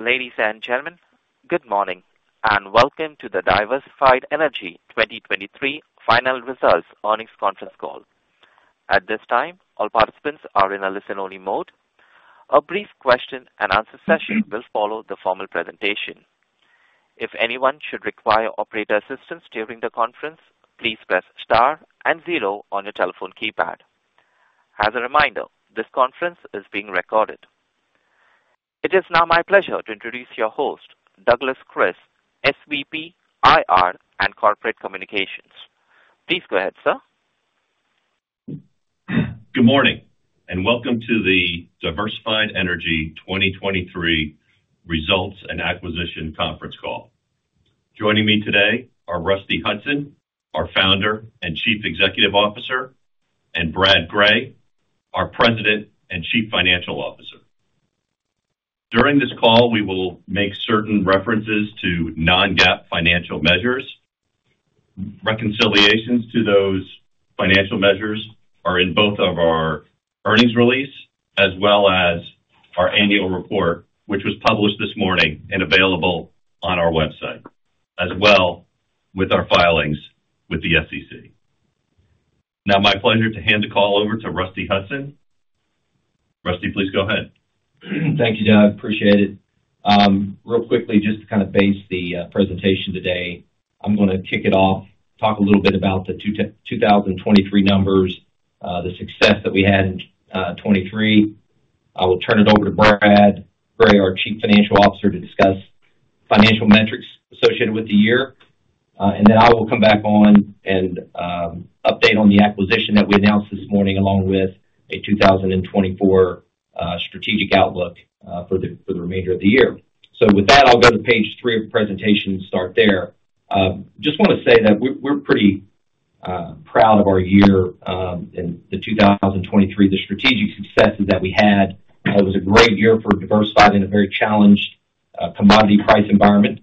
Ladies and gentlemen, good morning and welcome to the Diversified Energy 2023 Final Results Earnings Conference Call. At this time, all participants are in a listen-only mode. A brief question-and-answer session will follow the formal presentation. If anyone should require operator assistance during the conference, please press * and 0 on your telephone keypad. As a reminder, this conference is being recorded. It is now my pleasure to introduce your host, Douglas Kris, SVP IR and Corporate Communications. Please go ahead, sir. Good morning and welcome to the Diversified Energy 2023 Results and Acquisition Conference Call. Joining me today are Rusty Hutson, our Founder and Chief Executive Officer, and Brad Gray, our President and Chief Financial Officer. During this call, we will make certain references to non-GAAP financial measures. Reconciliations to those financial measures are in both of our earnings release as well as our annual report, which was published this morning and available on our website, as well with our filings with the SEC. Now, it's my pleasure to hand the call over to Rusty Hutson. Rusty, please go ahead. Thank you, Doug. Appreciate it. Real quickly, just to kind of base the presentation today, I'm going to kick it off, talk a little bit about the 2023 numbers, the success that we had in 2023. I will turn it over to Brad Gray, our Chief Financial Officer, to discuss financial metrics associated with the year, and then I will come back on and update on the acquisition that we announced this morning along with a 2024 strategic outlook for the remainder of the year. So with that, I'll go to page three of the presentation and start there. Just want to say that we're pretty proud of our year in 2023, the strategic successes that we had. It was a great year for Diversified in a very challenged commodity price environment.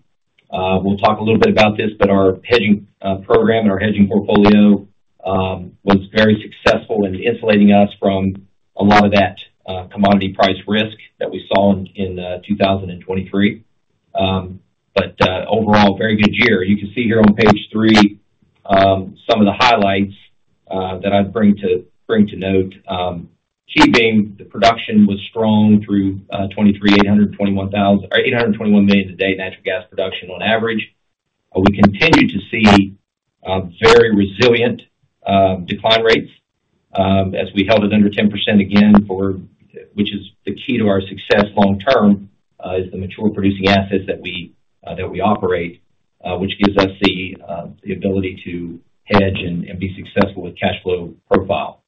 We'll talk a little bit about this, but our hedging program and our hedging portfolio was very successful in insulating us from a lot of that commodity price risk that we saw in 2023. But overall, very good year. You can see here on page 3 some of the highlights that I'd bring to note. Key being, the production was strong through 2023, 821 million a day natural gas production on average. We continue to see very resilient decline rates as we held it under 10% again, which is the key to our success long-term, is the mature producing assets that we operate, which gives us the ability to hedge and be successful with cash flow profile.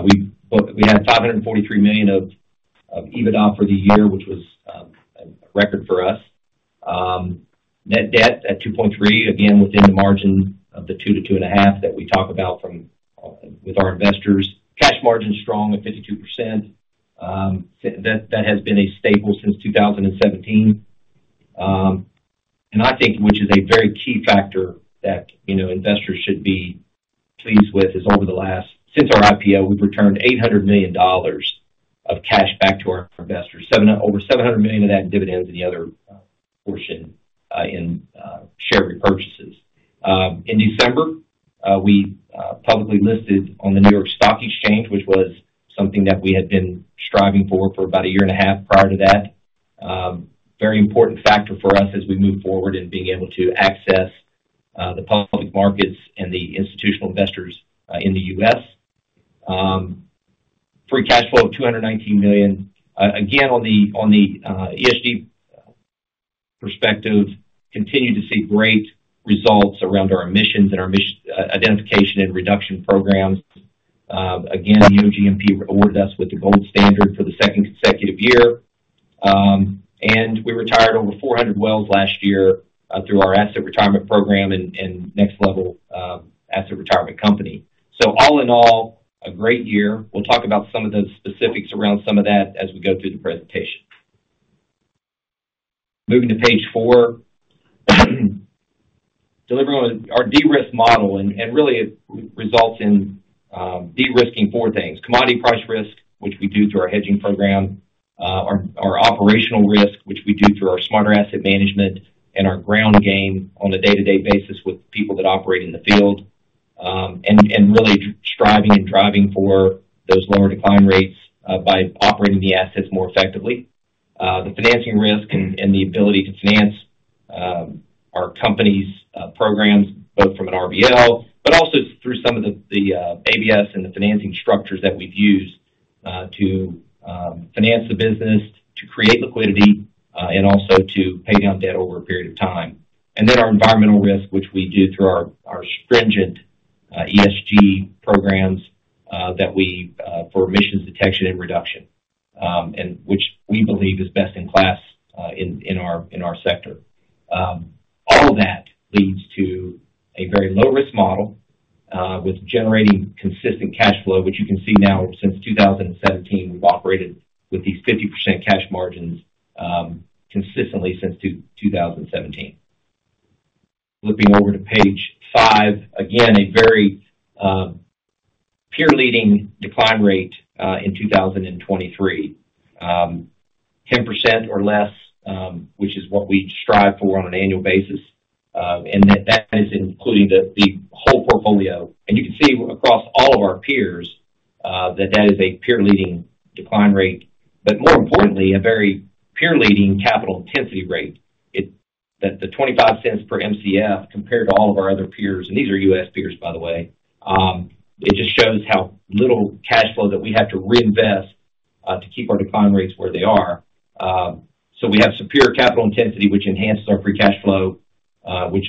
We had $543 million of EBITDA for the year, which was a record for us. Net debt at 2.3, again within the margin of the 2-2.5 that we talk about with our investors. Cash margin strong at 52%. That has been a staple since 2017, which is a very key factor that investors should be pleased with, is over the last since our IPO, we've returned $800 million of cash back to our investors, over $700 million of that in dividends and the other portion in share repurchases. In December, we publicly listed on the New York Stock Exchange, which was something that we had been striving for for about a year and a half prior to that. Very important factor for us as we move forward in being able to access the public markets and the institutional investors in the U.S. Free cash flow of $219 million. Again, on the ESG perspective, continue to see great results around our emissions and our identification and reduction programs. Again, the OGMP awarded us with the gold standard for the second consecutive year, and we retired over 400 wells last year through our asset retirement program and Next LVL Energy. So all in all, a great year. We'll talk about some of the specifics around some of that as we go through the presentation. Moving to page 4, delivering on our de-risk model, and really it results in de-risking four things: commodity price risk, which we do through our hedging program, our operational risk, which we do through our Smarter Asset Management, and our ground game on a day-to-day basis with people that operate in the field, and really striving and driving for those lower decline rates by operating the assets more effectively. The financing risk and the ability to finance our company's programs, both from an RBL but also through some of the ABS and the financing structures that we've used to finance the business, to create liquidity, and also to pay down debt over a period of time. And then our environmental risk, which we do through our stringent ESG programs for emissions detection and reduction, which we believe is best in class in our sector. All of that leads to a very low-risk model with generating consistent cash flow, which you can see now since 2017. We've operated with these 50% cash margins consistently since 2017. Flipping over to page 5, again a very peer-leading decline rate in 2023, 10% or less, which is what we strive for on an annual basis. And that is including the whole portfolio. You can see across all of our peers that that is a peer-leading decline rate, but more importantly, a very peer-leading capital intensity rate. The $0.25 per MCF compared to all of our other peers - and these are US peers, by the way - it just shows how little cash flow that we have to reinvest to keep our decline rates where they are. So we have superior capital intensity, which enhances our free cash flow, which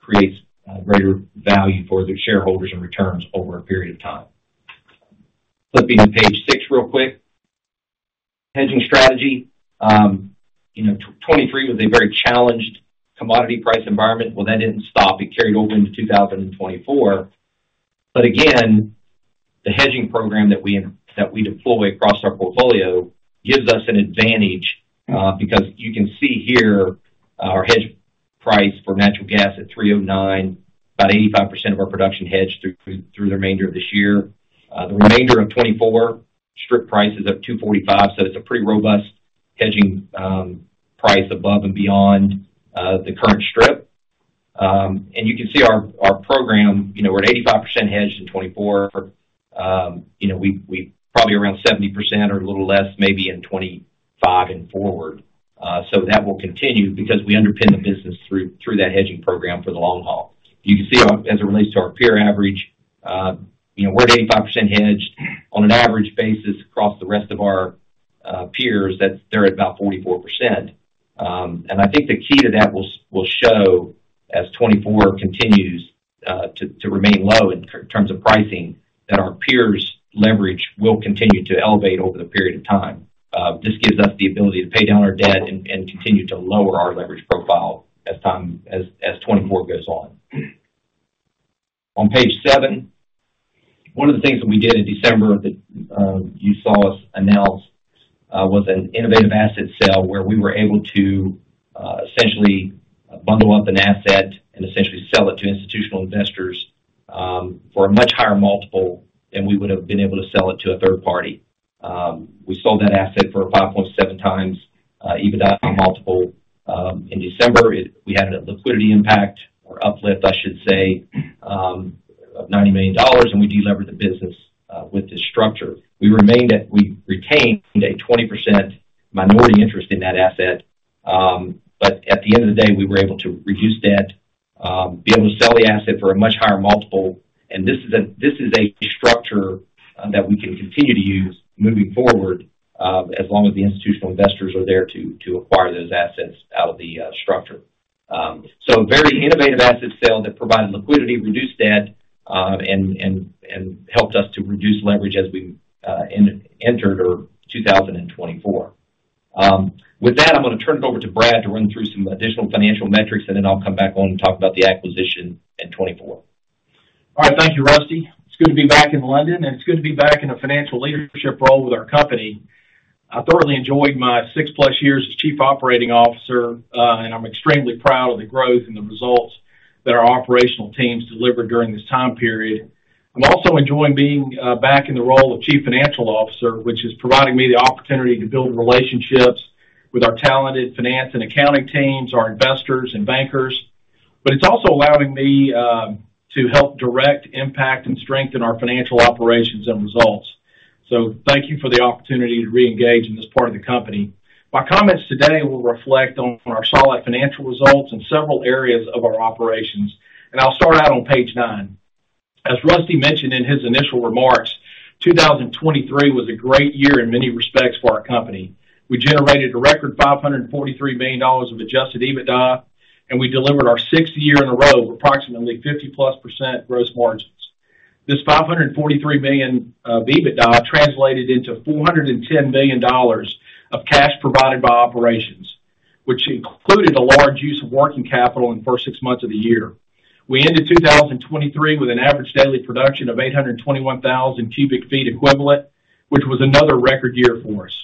creates greater value for the shareholders and returns over a period of time. Flipping to page six real quick, hedging strategy. 2023 was a very challenged commodity price environment. Well, that didn't stop. It carried over into 2024. But again, the hedging program that we deploy across our portfolio gives us an advantage because you can see here our hedge price for natural gas at $3.09, about 85% of our production hedged through the remainder of this year. The remainder of 2024, strip price is at $2.45, so it's a pretty robust hedging price above and beyond the current strip. And you can see our program, we're at 85% hedged in 2024. We're probably around 70% or a little less, maybe in 2025 and forward. So that will continue because we underpin the business through that hedging program for the long haul. You can see, as it relates to our peer average, we're at 85% hedged. On an average basis across the rest of our peers, they're at about 44%. I think the key to that will show, as 2024 continues to remain low in terms of pricing, that our peers' leverage will continue to elevate over the period of time. This gives us the ability to pay down our debt and continue to lower our leverage profile as 2024 goes on. On page seven, one of the things that we did in December that you saw us announce was an innovative asset sale where we were able to essentially bundle up an asset and essentially sell it to institutional investors for a much higher multiple than we would have been able to sell it to a third party. We sold that asset for a 5.7x EBITDA multiple in December. We had a liquidity impact or uplift, I should say, of $90 million, and we delevered the business with this structure. We retained a 20% minority interest in that asset, but at the end of the day, we were able to reduce debt, be able to sell the asset for a much higher multiple. This is a structure that we can continue to use moving forward as long as the institutional investors are there to acquire those assets out of the structure. A very innovative asset sale that provided liquidity, reduced debt, and helped us to reduce leverage as we entered 2024. With that, I'm going to turn it over to Brad to run through some additional financial metrics, and then I'll come back on and talk about the acquisition in 2024. All right. Thank you, Rusty. It's good to be back in London, and it's good to be back in a financial leadership role with our company. I thoroughly enjoyed my 6+ years as Chief Operating Officer, and I'm extremely proud of the growth and the results that our operational teams delivered during this time period. I'm also enjoying being back in the role of Chief Financial Officer, which is providing me the opportunity to build relationships with our talented finance and accounting teams, our investors, and bankers. But it's also allowing me to help direct, impact, and strengthen our financial operations and results. So thank you for the opportunity to reengage in this part of the company. My comments today will reflect on our solid financial results in several areas of our operations, and I'll start out on page nine. As Rusty mentioned in his initial remarks, 2023 was a great year in many respects for our company. We generated a record $543 million of adjusted EBITDA, and we delivered our sixth year in a row with approximately 50%+ gross margins. This $543 million of EBITDA translated into $410 million of cash provided by operations, which included a large use of working capital in the first six months of the year. We ended 2023 with an average daily production of 821,000 cubic feet equivalent, which was another record year for us.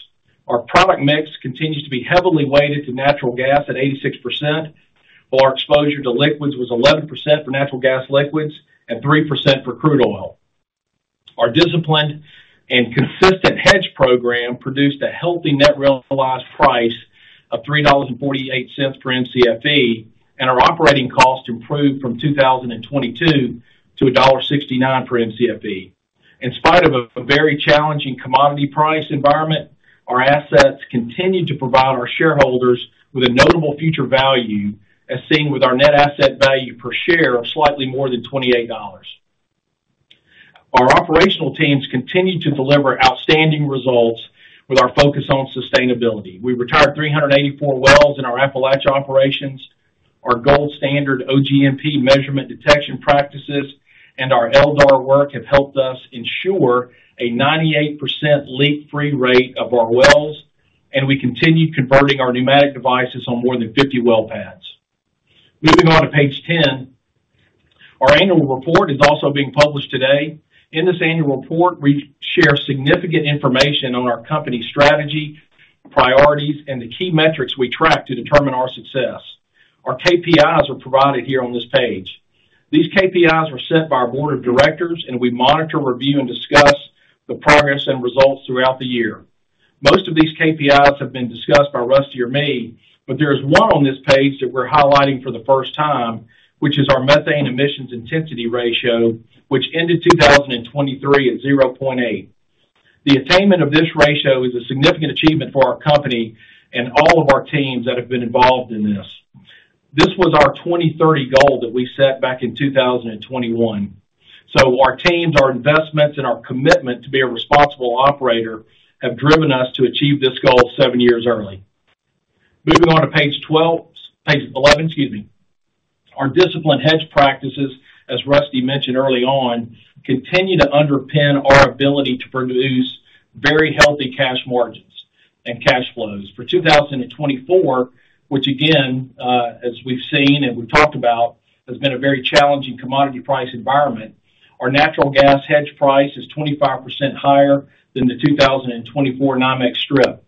Our product mix continues to be heavily weighted to natural gas at 86%, while our exposure to liquids was 11% for natural gas liquids and 3% for crude oil. Our disciplined and consistent hedge program produced a healthy net realized price of $3.48 per MCFE, and our operating costs improved from 2022 to $1.69 per MCFE. In spite of a very challenging commodity price environment, our assets continue to provide our shareholders with a notable future value, as seen with our net asset value per share of slightly more than $28. Our operational teams continue to deliver outstanding results with our focus on sustainability. We retired 384 wells in our Appalachia operations. Our gold standard OGMP measurement detection practices and our LDAR work have helped us ensure a 98% leak-free rate of our wells, and we continue converting our pneumatic devices on more than 50 well pads. Moving on to page 10, our annual report is also being published today. In this annual report, we share significant information on our company's strategy, priorities, and the key metrics we track to determine our success. Our KPIs are provided here on this page. These KPIs are set by our board of directors, and we monitor, review, and discuss the progress and results throughout the year. Most of these KPIs have been discussed by Rusty or me, but there is one on this page that we're highlighting for the first time, which is our methane emissions intensity ratio, which ended 2023 at 0.8. The attainment of this ratio is a significant achievement for our company and all of our teams that have been involved in this. This was our 2030 goal that we set back in 2021. So our teams, our investments, and our commitment to be a responsible operator have driven us to achieve this goal seven years early. Moving on to page 11, excuse me. Our disciplined hedge practices, as Rusty mentioned early on, continue to underpin our ability to produce very healthy cash margins and cash flows. For 2024, which again, as we've seen and we've talked about, has been a very challenging commodity price environment, our natural gas hedge price is 25% higher than the 2024 NYMEX Strip.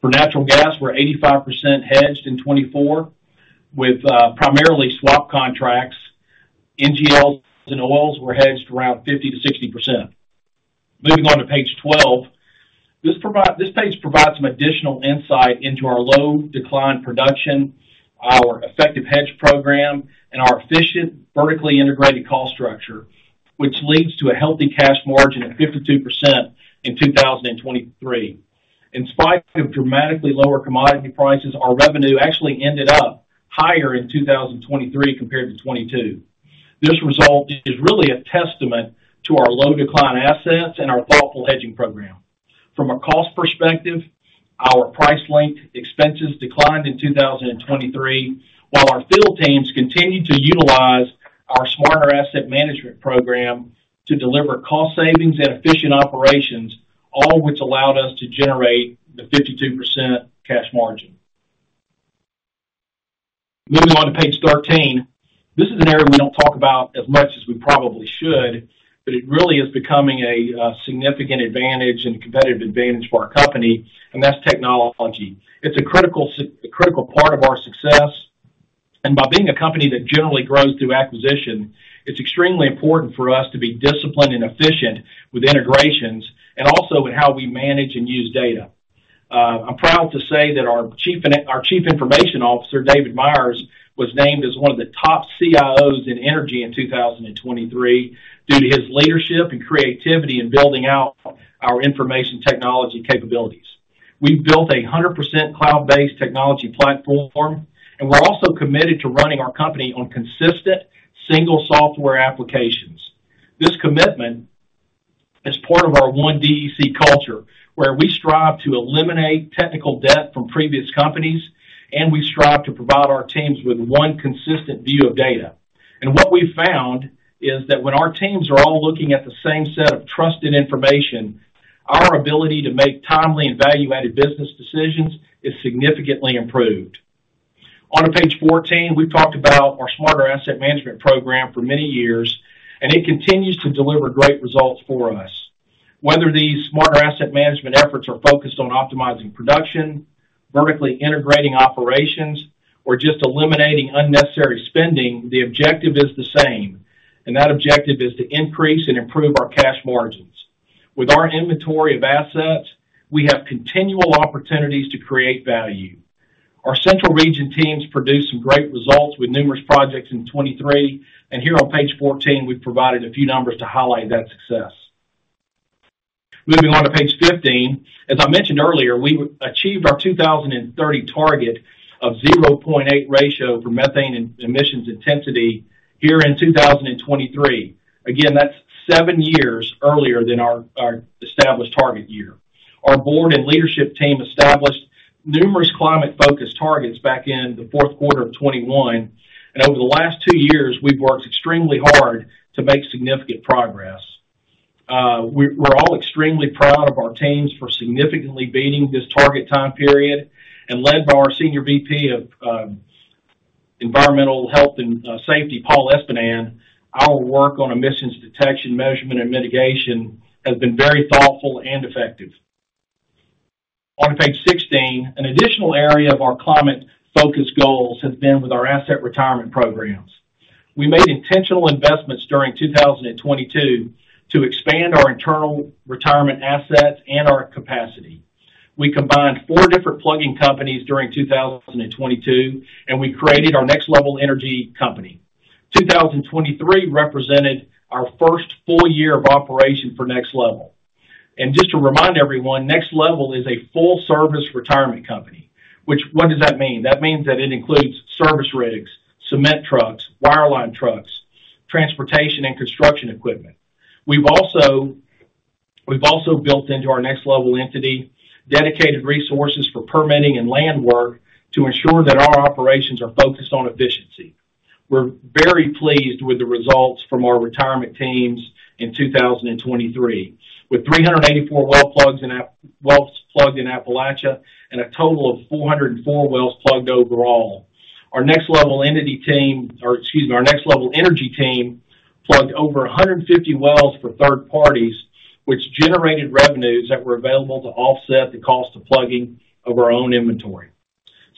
For natural gas, we're 85% hedged in 2024 with primarily swap contracts. NGLs and oils were hedged around 50%-60%. Moving on to page 12, this page provides some additional insight into our low-decline production, our effective hedge program, and our efficient vertically integrated cost structure, which leads to a healthy cash margin of 52% in 2023. In spite of dramatically lower commodity prices, our revenue actually ended up higher in 2023 compared to 2022. This result is really a testament to our low-decline assets and our thoughtful hedging program. From a cost perspective, our price-linked expenses declined in 2023, while our field teams continue to utilize our Smarter Asset Management program to deliver cost savings and efficient operations, all which allowed us to generate the 52% cash margin. Moving on to page 13, this is an area we don't talk about as much as we probably should, but it really is becoming a significant advantage and a competitive advantage for our company, and that's technology. It's a critical part of our success. By being a company that generally grows through acquisition, it's extremely important for us to be disciplined and efficient with integrations and also in how we manage and use data. I'm proud to say that our Chief Information Officer, David Myers, was named as one of the top CIOs in energy in 2023 due to his leadership and creativity in building out our information technology capabilities. We've built a 100% cloud-based technology platform, and we're also committed to running our company on consistent single software applications. This commitment is part of our One DEC culture, where we strive to eliminate technical debt from previous companies, and we strive to provide our teams with one consistent view of data. What we've found is that when our teams are all looking at the same set of trusted information, our ability to make timely and value-added business decisions is significantly improved. On to page 14, we've talked about our Smarter Asset Management program for many years, and it continues to deliver great results for us. Whether these Smarter Asset Management efforts are focused on optimizing production, vertically integrating operations, or just eliminating unnecessary spending, the objective is the same, and that objective is to increase and improve our cash margins. With our inventory of assets, we have continual opportunities to create value. Our central region teams produce some great results with numerous projects in 2023, and here on page 14, we've provided a few numbers to highlight that success. Moving on to page 15, as I mentioned earlier, we achieved our 2030 target of 0.8 ratio for Methane Emissions Intensity here in 2023. Again, that's seven years earlier than our established target year. Our board and leadership team established numerous climate-focused targets back in the fourth quarter of 2021, and over the last two years, we've worked extremely hard to make significant progress. We're all extremely proud of our teams for significantly beating this target time period. Led by our Senior VP of Environmental, Health, and Safety, Paul Espenan, our work on emissions detection, measurement, and mitigation has been very thoughtful and effective. On to page 16, an additional area of our climate-focused goals has been with our asset retirement programs. We made intentional investments during 2022 to expand our internal retirement assets and our capacity. We combined four different plugging companies during 2022, and we created our Next LVL Energy Company. 2023 represented our first full year of operation for Next LVL. And just to remind everyone, Next LVL is a full-service retirement company. What does that mean? That means that it includes service rigs, cement trucks, wireline trucks, transportation, and construction equipment. We've also built into our Next LVL entity dedicated resources for permitting and land work to ensure that our operations are focused on efficiency. We're very pleased with the results from our retirement teams in 2023, with 384 wells plugged in Appalachia and a total of 404 wells plugged overall. Our Next LVL Energy Team or excuse me, our Next LVL Energy Team plugged over 150 wells for third parties, which generated revenues that were available to offset the cost of plugging of our own inventory.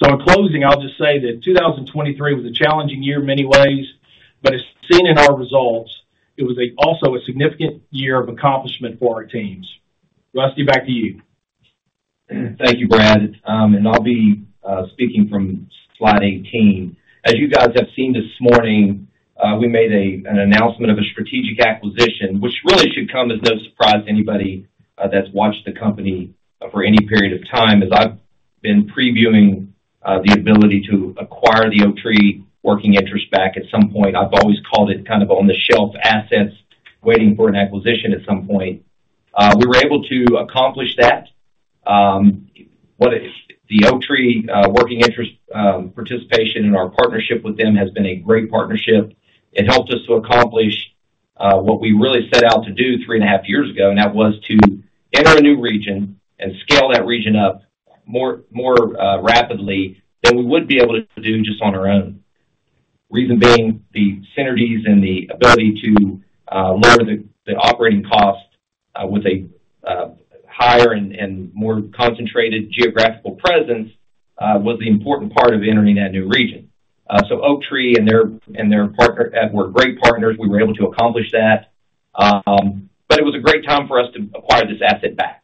So in closing, I'll just say that 2023 was a challenging year in many ways, but as seen in our results, it was also a significant year of accomplishment for our teams. Rusty, back to you. Thank you, Brad. I'll be speaking from slide 18. As you guys have seen this morning, we made an announcement of a strategic acquisition, which really should come as no surprise to anybody that's watched the company for any period of time. As I've been previewing the ability to acquire the Oaktree working interest back at some point, I've always called it kind of on-the-shelf assets waiting for an acquisition at some point. We were able to accomplish that. The Oaktree working interest participation and our partnership with them has been a great partnership. It helped us to accomplish what we really set out to do three and a half years ago, and that was to enter a new region and scale that region up more rapidly than we would be able to do just on our own. Reason being, the synergies and the ability to lower the operating cost with a higher and more concentrated geographical presence was the important part of entering that new region. So Oaktree and their partner were great partners. We were able to accomplish that. But it was a great time for us to acquire this asset back.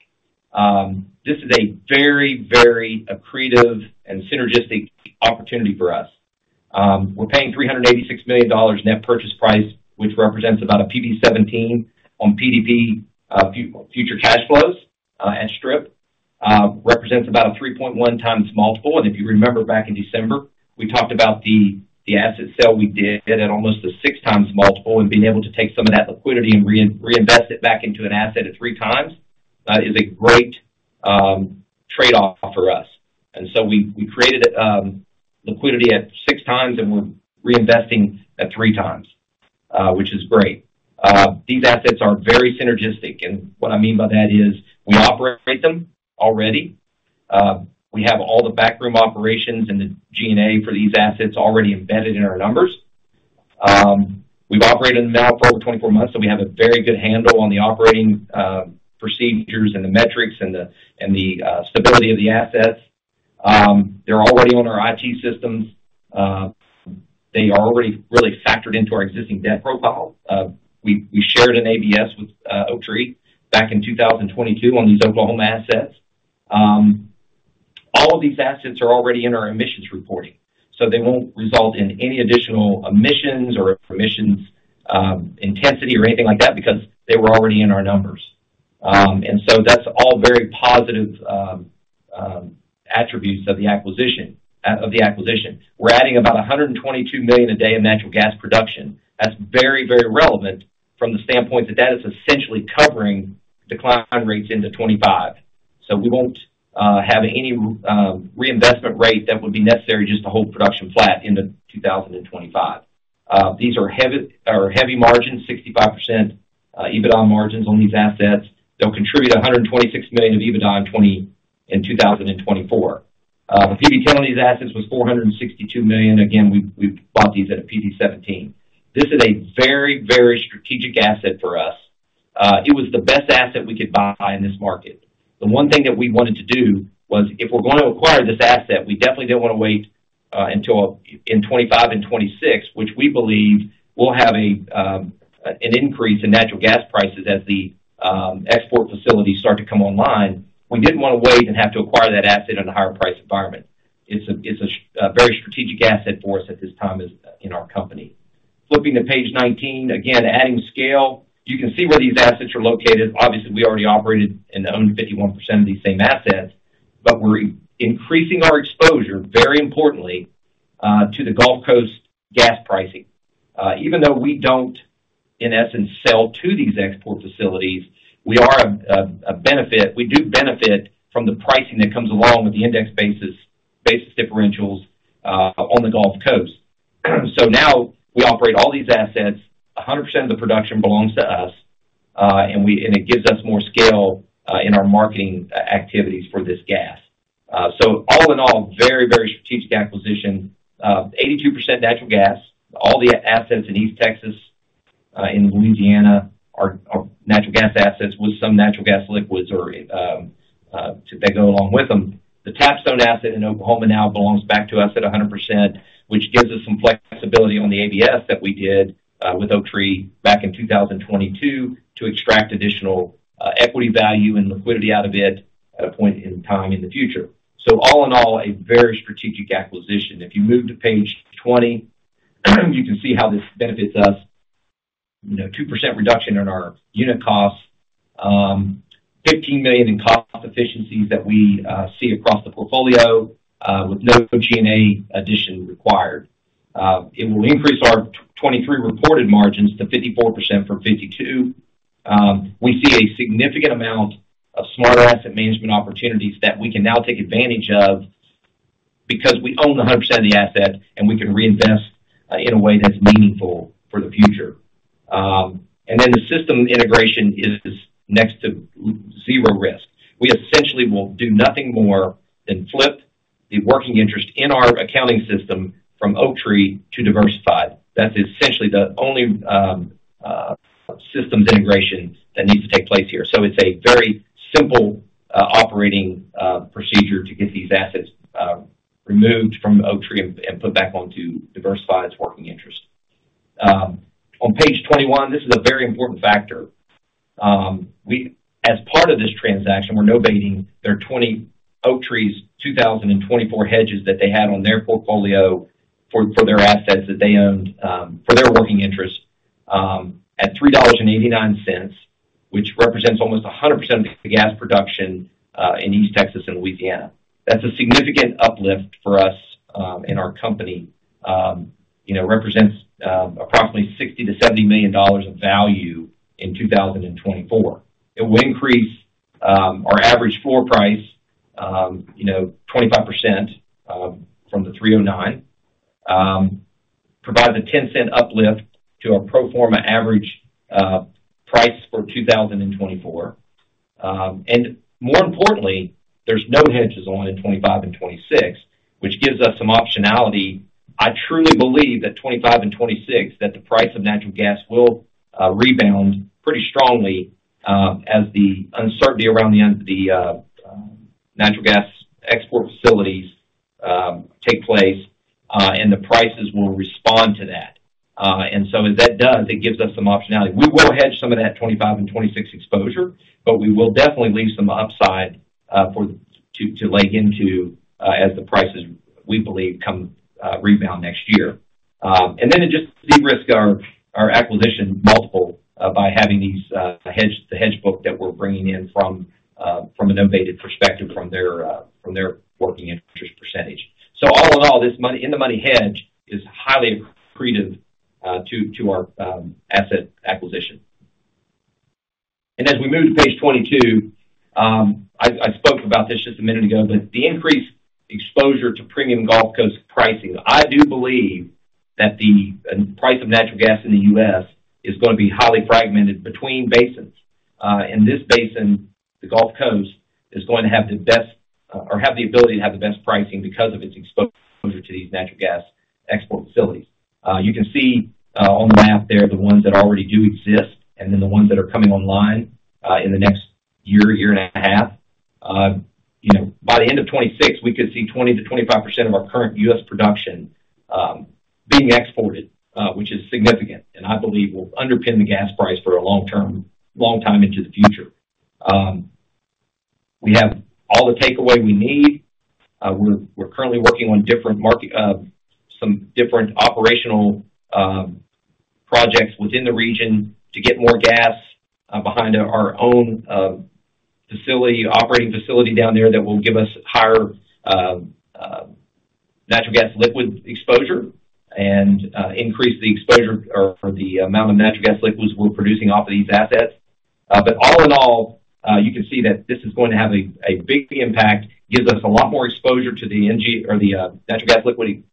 This is a very, very accretive and synergistic opportunity for us. We're paying $386 million net purchase price, which represents about a PV17 on PDP future cash flows at strip, represents about a 3.1x multiple. And if you remember, back in December, we talked about the asset sale we did at almost a 6x multiple and being able to take some of that liquidity and reinvest it back into an asset at 3x. That is a great trade-off for us. And so we created liquidity at 6x, and we're reinvesting at 3x, which is great. These assets are very synergistic, and what I mean by that is we operate them already. We have all the backroom operations and the G&A for these assets already embedded in our numbers. We've operated them now for over 24 months, so we have a very good handle on the operating procedures and the metrics and the stability of the assets. They're already on our IT systems. They are already really factored into our existing debt profile. We shared an ABS with Oaktree back in 2022 on these Oklahoma assets. All of these assets are already in our emissions reporting, so they won't result in any additional emissions or emissions intensity or anything like that because they were already in our numbers. And so that's all very positive attributes of the acquisition. We're adding about 122 million a day of natural gas production. That's very, very relevant from the standpoint that that is essentially covering decline rates into 2025. So we won't have any reinvestment rate that would be necessary just to hold production flat into 2025. These are heavy margins, 65% EBITDA margins on these assets. They'll contribute $126 million of EBITDA in 2024. The PV10 on these assets was $462 million. Again, we bought these at a PV17. This is a very, very strategic asset for us. It was the best asset we could buy in this market. The one thing that we wanted to do was, if we're going to acquire this asset, we definitely don't want to wait until in 2025 and 2026, which we believe will have an increase in natural gas prices as the export facilities start to come online. We didn't want to wait and have to acquire that asset in a higher-price environment. It's a very strategic asset for us at this time in our company. Flipping to page 19, again, adding scale. You can see where these assets are located. Obviously, we already operated and owned 51% of these same assets, but we're increasing our exposure, very importantly, to the Gulf Coast gas pricing. Even though we don't, in essence, sell to these export facilities, we are a benefit. We do benefit from the pricing that comes along with the index basis differentials on the Gulf Coast. So now we operate all these assets. 100% of the production belongs to us, and it gives us more scale in our marketing activities for this gas. So all in all, very, very strategic acquisition. 82% natural gas. All the assets in East Texas, in Louisiana, are natural gas assets with some natural gas liquids that go along with them. The Tapstone asset in Oklahoma now belongs back to us at 100%, which gives us some flexibility on the ABS that we did with Oaktree back in 2022 to extract additional equity value and liquidity out of it at a point in time in the future. So all in all, a very strategic acquisition. If you move to page 20, you can see how this benefits us. 2% reduction in our unit costs, $15 million in cost efficiencies that we see across the portfolio with no G&A addition required. It will increase our 2023 reported margins to 54% from 52%. We see a significant amount of Smarter Asset Management opportunities that we can now take advantage of because we own 100% of the asset, and we can reinvest in a way that's meaningful for the future. Then the system integration is next to zero risk. We essentially will do nothing more than flip the working interest in our accounting system from Oaktree to Diversified. That's essentially the only systems integration that needs to take place here. So it's a very simple operating procedure to get these assets removed from Oaktree and put back onto Diversified's working interest. On page 21, this is a very important factor. As part of this transaction, we're novating their Oaktree's 2024 hedges that they had on their portfolio for their assets that they owned for their working interest at $3.89, which represents almost 100% of the gas production in East Texas and Louisiana. That's a significant uplift for us in our company. It represents approximately $60 million-$70 million of value in 2024. It will increase our average floor price 25% from the $3.09, provides a $0.10 uplift to our pro forma average price for 2024. And more importantly, there's no hedges on in 2025 and 2026, which gives us some optionality. I truly believe that 2025 and 2026, that the price of natural gas will rebound pretty strongly as the uncertainty around the natural gas export facilities take place, and the prices will respond to that. And so as that does, it gives us some optionality. We will hedge some of that 2025 and 2026 exposure, but we will definitely leave some upside to lay into as the prices, we believe, come rebound next year. And then it just de-risked our acquisition multiple by having the hedge book that we're bringing in from a novated perspective from their working interest percentage. So all in all, in-the-money hedge is highly accretive to our asset acquisition. And as we move to page 22, I spoke about this just a minute ago, but the increased exposure to premium Gulf Coast pricing. I do believe that the price of natural gas in the U.S. is going to be highly fragmented between basins. And this basin, the Gulf Coast, is going to have the best or have the ability to have the best pricing because of its exposure to these natural gas export facilities. You can see on the map there the ones that already do exist and then the ones that are coming online in the next year, year and a half. By the end of 2026, we could see 20%-25% of our current U.S. production being exported, which is significant and I believe will underpin the gas price for a long time into the future. We have all the takeaway we need. We're currently working on some different operational projects within the region to get more gas behind our own operating facility down there that will give us higher natural gas liquid exposure and increase the exposure or the amount of natural gas liquids we're producing off of these assets. But all in all, you can see that this is going to have a big impact, gives us a lot more exposure to the natural gas liquid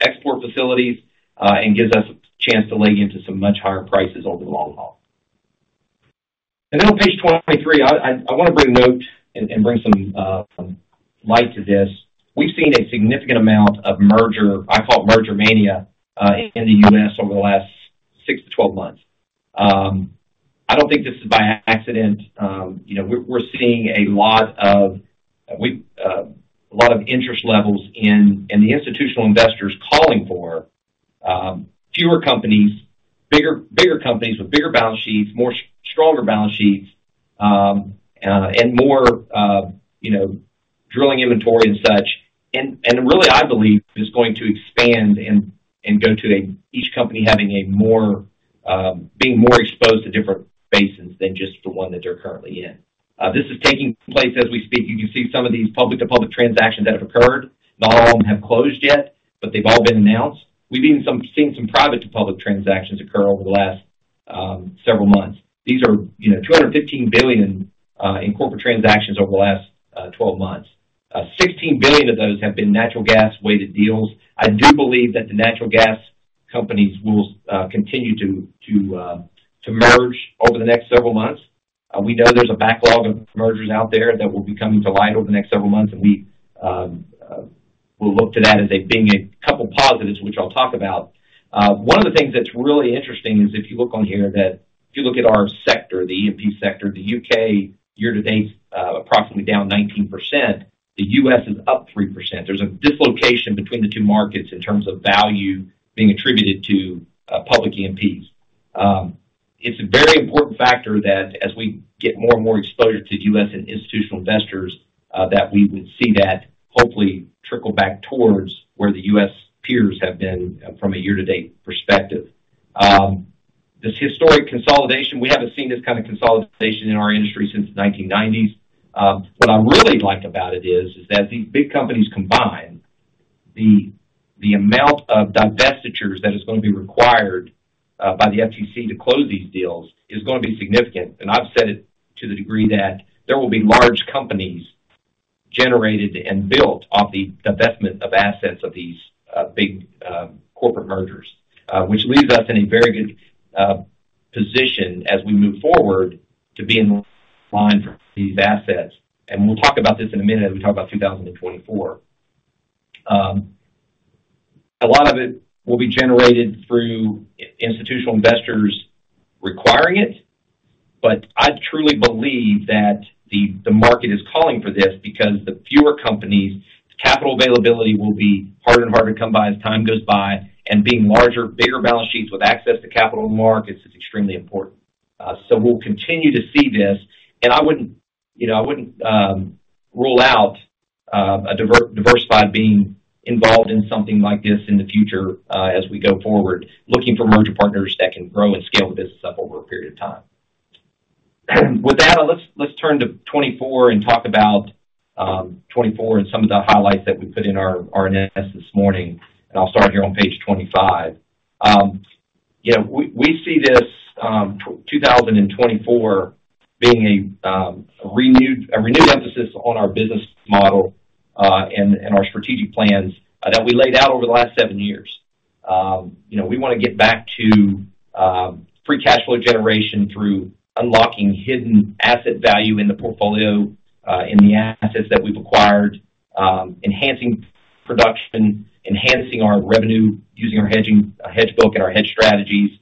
export facilities, and gives us a chance to lay into some much higher prices over the long haul. Then on page 23, I want to bring note and bring some light to this. We've seen a significant amount of merger, I call it merger mania, in the U.S. over the last 6-12 months. I don't think this is by accident. We're seeing a lot of interest levels in, and the institutional investors calling for fewer companies, bigger companies with bigger balance sheets, stronger balance sheets, and more drilling inventory and such. Really, I believe it's going to expand and go to each company being more exposed to different basins than just the one that they're currently in. This is taking place as we speak. You can see some of these public-to-public transactions that have occurred. Not all of them have closed yet, but they've all been announced. We've even seen some private-to-public transactions occur over the last several months. These are $215 billion in corporate transactions over the last 12 months. $16 billion of those have been natural gas-weighted deals. I do believe that the natural gas companies will continue to merge over the next several months. We know there's a backlog of mergers out there that will be coming to light over the next several months, and we will look to that as being a couple of positives, which I'll talk about. One of the things that's really interesting is if you look on here that if you look at our sector, the EMP sector, the U.K. year-to-date's approximately down 19%. The U.S. is up 3%. There's a dislocation between the two markets in terms of value being attributed to public EMPs. It's a very important factor that as we get more and more exposure to the U.S. and institutional investors, that we would see that hopefully trickle back towards where the U.S. peers have been from a year-to-date perspective. This historic consolidation, we haven't seen this kind of consolidation in our industry since the 1990s. What I really like about it is that as these big companies combine, the amount of divestitures that is going to be required by the FTSE to close these deals is going to be significant. And I've said it to the degree that there will be large companies generated and built off the divestment of assets of these big corporate mergers, which leaves us in a very good position as we move forward to be in line for these assets. And we'll talk about this in a minute as we talk about 2024. A lot of it will be generated through institutional investors requiring it, but I truly believe that the market is calling for this because the fewer companies, the capital availability will be harder and harder to come by as time goes by. Being larger, bigger balance sheets with access to capital in the markets is extremely important. So we'll continue to see this. I wouldn't rule out Diversified being involved in something like this in the future as we go forward, looking for merger partners that can grow and scale the business up over a period of time. With that, let's turn to 2024 and talk about 2024 and some of the highlights that we put in our RNS this morning. I'll start here on page 25. We see this 2024 being a renewed emphasis on our business model and our strategic plans that we laid out over the last seven years. We want to get back to Free Cash Flow generation through unlocking hidden asset value in the portfolio, in the assets that we've acquired, enhancing production, enhancing our revenue using our hedge book and our hedge strategies,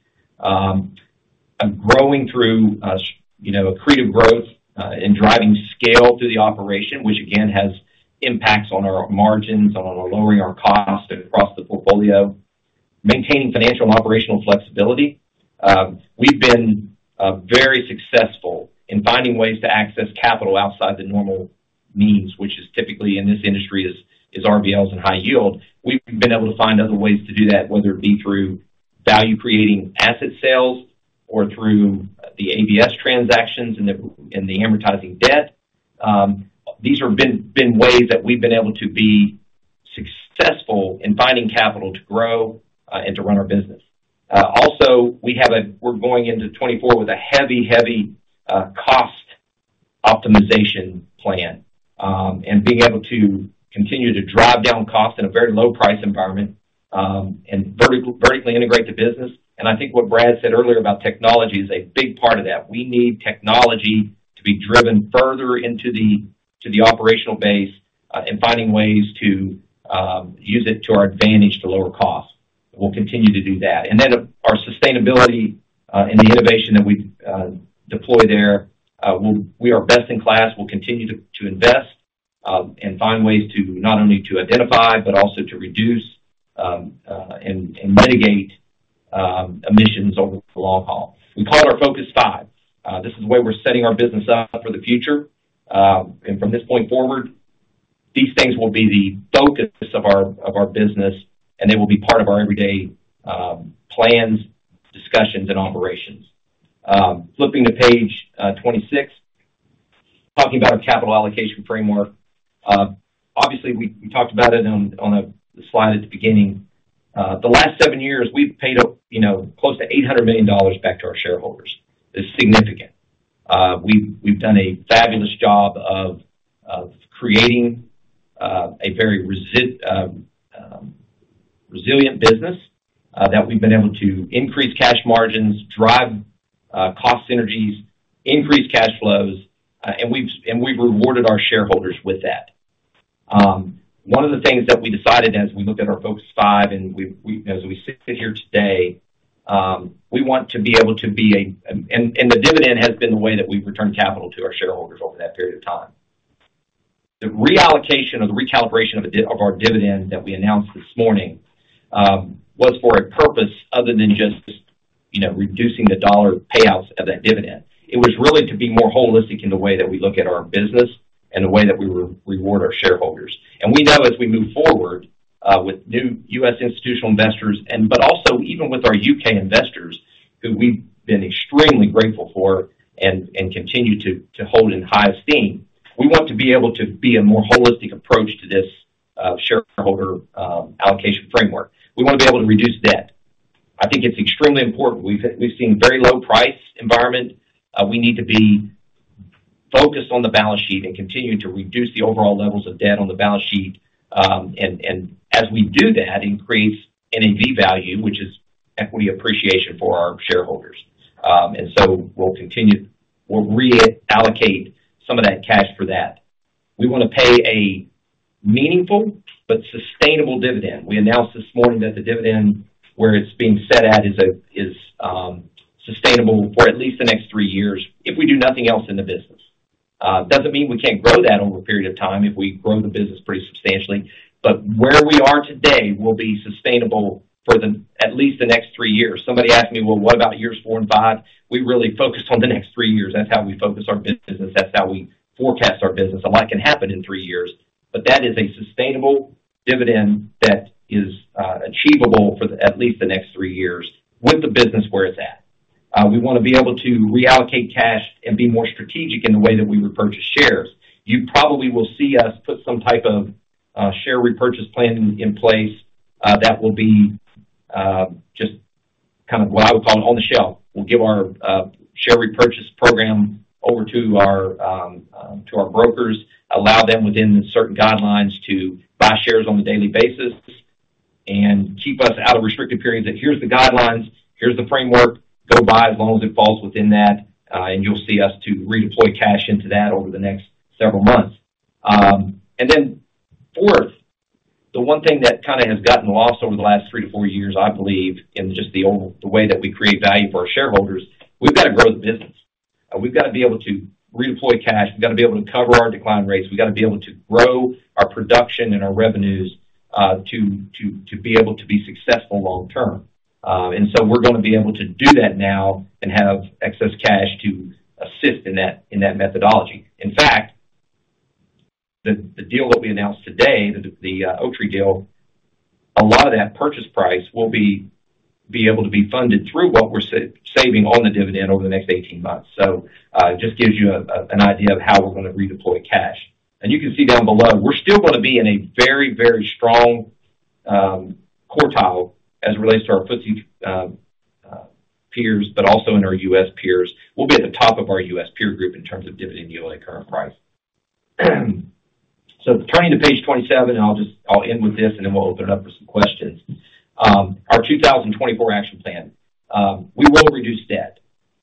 growing through accretive growth and driving scale through the operation, which again has impacts on our margins, on lowering our cost across the portfolio, maintaining financial and operational flexibility. We've been very successful in finding ways to access capital outside the normal means, which is typically in this industry is RBLs and high yield. We've been able to find other ways to do that, whether it be through value-creating asset sales or through the ABS transactions and the amortizing debt. These have been ways that we've been able to be successful in finding capital to grow and to run our business. Also, we're going into 2024 with a heavy, heavy cost optimization plan and being able to continue to drive down cost in a very low-price environment and vertically integrate the business. I think what Brad said earlier about technology is a big part of that. We need technology to be driven further into the operational base and finding ways to use it to our advantage to lower cost. We'll continue to do that. And then our sustainability and the innovation that we deploy there, we are best in class. We'll continue to invest and find ways not only to identify but also to reduce and mitigate emissions over the long haul. We call it our Focus Five. This is the way we're setting our business up for the future. From this point forward, these things will be the focus of our business, and they will be part of our everyday plans, discussions, and operations. Flipping to page 26, talking about our capital allocation framework. Obviously, we talked about it on the slide at the beginning. The last seven years, we've paid close to $800 million back to our shareholders. It's significant. We've done a fabulous job of creating a very resilient business that we've been able to increase cash margins, drive cost synergies, increase cash flows, and we've rewarded our shareholders with that. One of the things that we decided as we looked at our Focus Five and as we sit here today, we want to be able to be a and the dividend has been the way that we've returned capital to our shareholders over that period of time. The reallocation or the recalibration of our dividend that we announced this morning was for a purpose other than just reducing the dollar payouts of that dividend. It was really to be more holistic in the way that we look at our business and the way that we reward our shareholders. And we know as we move forward with new U.S. institutional investors but also even with our U.K. investors who we've been extremely grateful for and continue to hold in high esteem, we want to be able to be a more holistic approach to this shareholder allocation framework. We want to be able to reduce debt. I think it's extremely important. We've seen a very low-price environment. We need to be focused on the balance sheet and continue to reduce the overall levels of debt on the balance sheet. And as we do that, it increases NAV value, which is equity appreciation for our shareholders. And so we'll reallocate some of that cash for that. We want to pay a meaningful but sustainable dividend. We announced this morning that the dividend where it's being set at is sustainable for at least the next three years if we do nothing else in the business. It doesn't mean we can't grow that over a period of time if we grow the business pretty substantially. But where we are today will be sustainable for at least the next three years. Somebody asked me, "Well, what about years four and five?" We really focused on the next three years. That's how we focus our business. That's how we forecast our business. A lot can happen in three years, but that is a sustainable dividend that is achievable for at least the next three years with the business where it's at. We want to be able to reallocate cash and be more strategic in the way that we repurchase shares. You probably will see us put some type of share repurchase plan in place that will be just kind of what I would call it on the shelf. We'll give our share repurchase program over to our brokers, allow them within certain guidelines to buy shares on a daily basis, and keep us out of restrictive periods that, "Here's the guidelines. Here's the framework. Go buy as long as it falls within that." You'll see us redeploy cash into that over the next several months. Then fourth, the one thing that kind of has gotten lost over the last 3-4 years, I believe, in just the way that we create value for our shareholders, we've got to grow the business. We've got to be able to redeploy cash. We've got to be able to cover our decline rates. We've got to be able to grow our production and our revenues to be able to be successful long term. So we're going to be able to do that now and have excess cash to assist in that methodology. In fact, the deal that we announced today, the Oaktree deal, a lot of that purchase price will be able to be funded through what we're saving on the dividend over the next 18 months. So it just gives you an idea of how we're going to redeploy cash. And you can see down below, we're still going to be in a very, very strong quartile as it relates to our FTSE peers but also in our US peers. We'll be at the top of our US peer group in terms of dividend yield at current price. So turning to page 27, and I'll end with this, and then we'll open it up for some questions. Our 2024 action plan, we will reduce debt.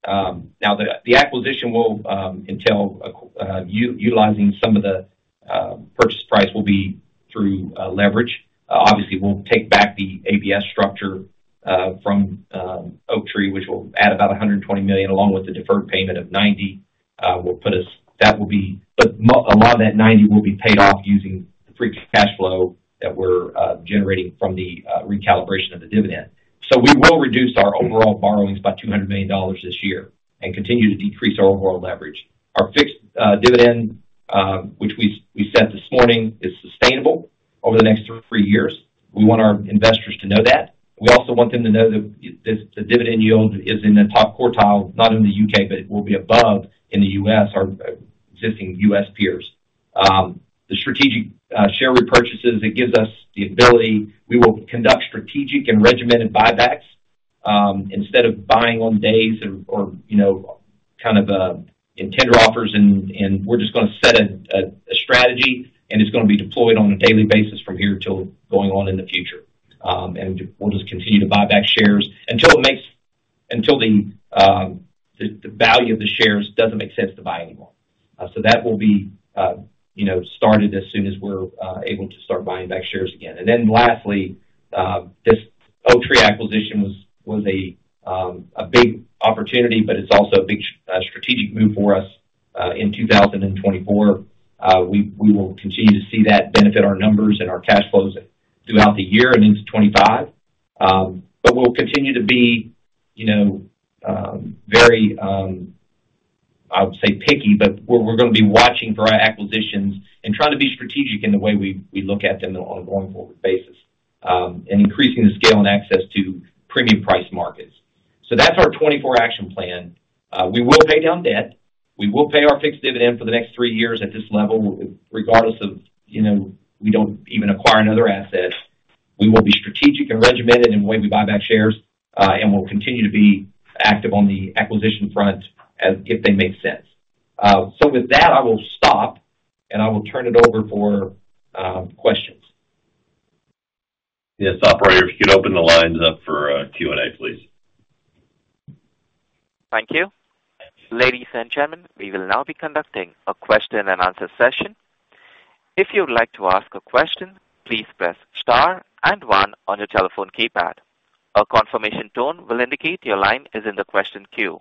Now, the acquisition will entail utilizing some of the purchase price will be through leverage. Obviously, we'll take back the ABS structure from Oaktree, which will add about $120 million along with the deferred payment of $90 million. That will be but a lot of that $90 million will be paid off using the free cash flow that we're generating from the recalibration of the dividend. So we will reduce our overall borrowings by $200 million this year and continue to decrease our overall leverage. Our fixed dividend, which we set this morning, is sustainable over the next three years. We want our investors to know that. We also want them to know that the dividend yield is in the top quartile, not in the U.K., but it will be above in the U.S., our existing U.S. peers. The strategic share repurchases, it gives us the ability we will conduct strategic and regimented buybacks instead of buying on days or kind of in tender offers. We're just going to set a strategy, and it's going to be deployed on a daily basis from here until going on in the future. We'll just continue to buy back shares until the value of the shares doesn't make sense to buy anymore. So that will be started as soon as we're able to start buying back shares again. And then lastly, this Oaktree acquisition was a big opportunity, but it's also a big strategic move for us in 2024. We will continue to see that benefit our numbers and our cash flows throughout the year and into 2025. But we'll continue to be very, I would say, picky, but we're going to be watching for our acquisitions and trying to be strategic in the way we look at them on a going forward basis and increasing the scale and access to premium price markets. So that's our 2024 action plan. We will pay down debt. We will pay our fixed dividend for the next three years at this level, regardless of we don't even acquire another asset. We will be strategic and regimented in the way we buy back shares, and we'll continue to be active on the acquisition front if they make sense. So with that, I will stop, and I will turn it over for questions. Yes, operator, if you could open the lines up for Q&A, please. Thank you. Ladies and gentlemen, we will now be conducting a question-and-answer session. If you would like to ask a question, please press star and one on your telephone keypad. A confirmation tone will indicate your line is in the question queue.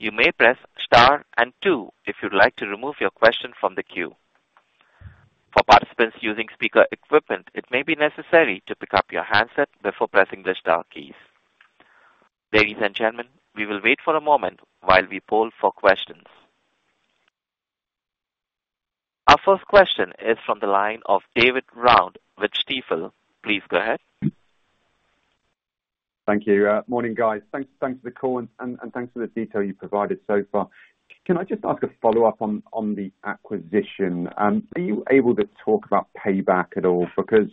You may press star and two if you'd like to remove your question from the queue. For participants using speaker equipment, it may be necessary to pick up your handset before pressing the star keys. Ladies and gentlemen, we will wait for a moment while we poll for questions. Our first question is from the line of David Round with Stifel. Please go ahead. Thank you. Morning, guys. Thanks for the call and thanks for the detail you provided so far. Can I just ask a follow-up on the acquisition? Are you able to talk about payback at all? Because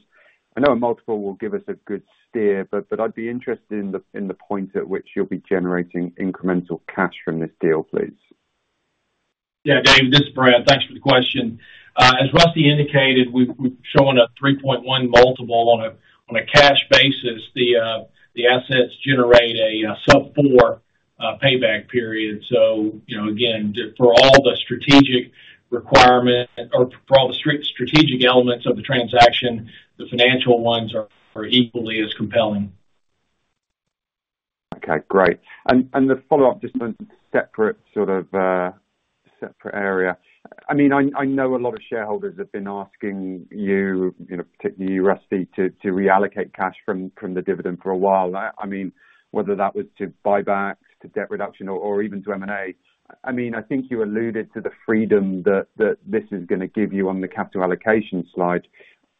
I know a multiple will give us a good steer, but I'd be interested in the point at which you'll be generating incremental cash from this deal, please. Yeah, David. This is Brad. Thanks for the question. As Rusty indicated, we're showing a 3.1 multiple on a cash basis. The assets generate a sub-4 payback period. So again, for all the strategic requirements or for all the strategic elements of the transaction, the financial ones are equally as compelling. Okay. Great. And the follow-up just on a separate sort of area. I mean, I know a lot of shareholders have been asking you, particularly you, Rusty, to reallocate cash from the dividend for a while. I mean, whether that was to buybacks, to debt reduction, or even to M&A, I mean, I think you alluded to the freedom that this is going to give you on the capital allocation slide.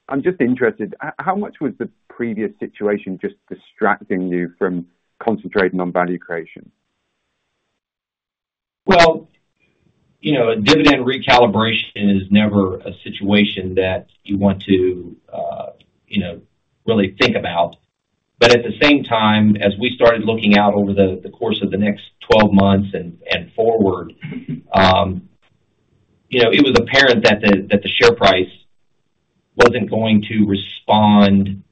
I'm just interested, how much was the previous situation just distracting you from concentrating on value creation? Well, a dividend recalibration is never a situation that you want to really think about. But at the same time, as we started looking out over the course of the next 12 months and forward, it was apparent that the share price wasn't going to respond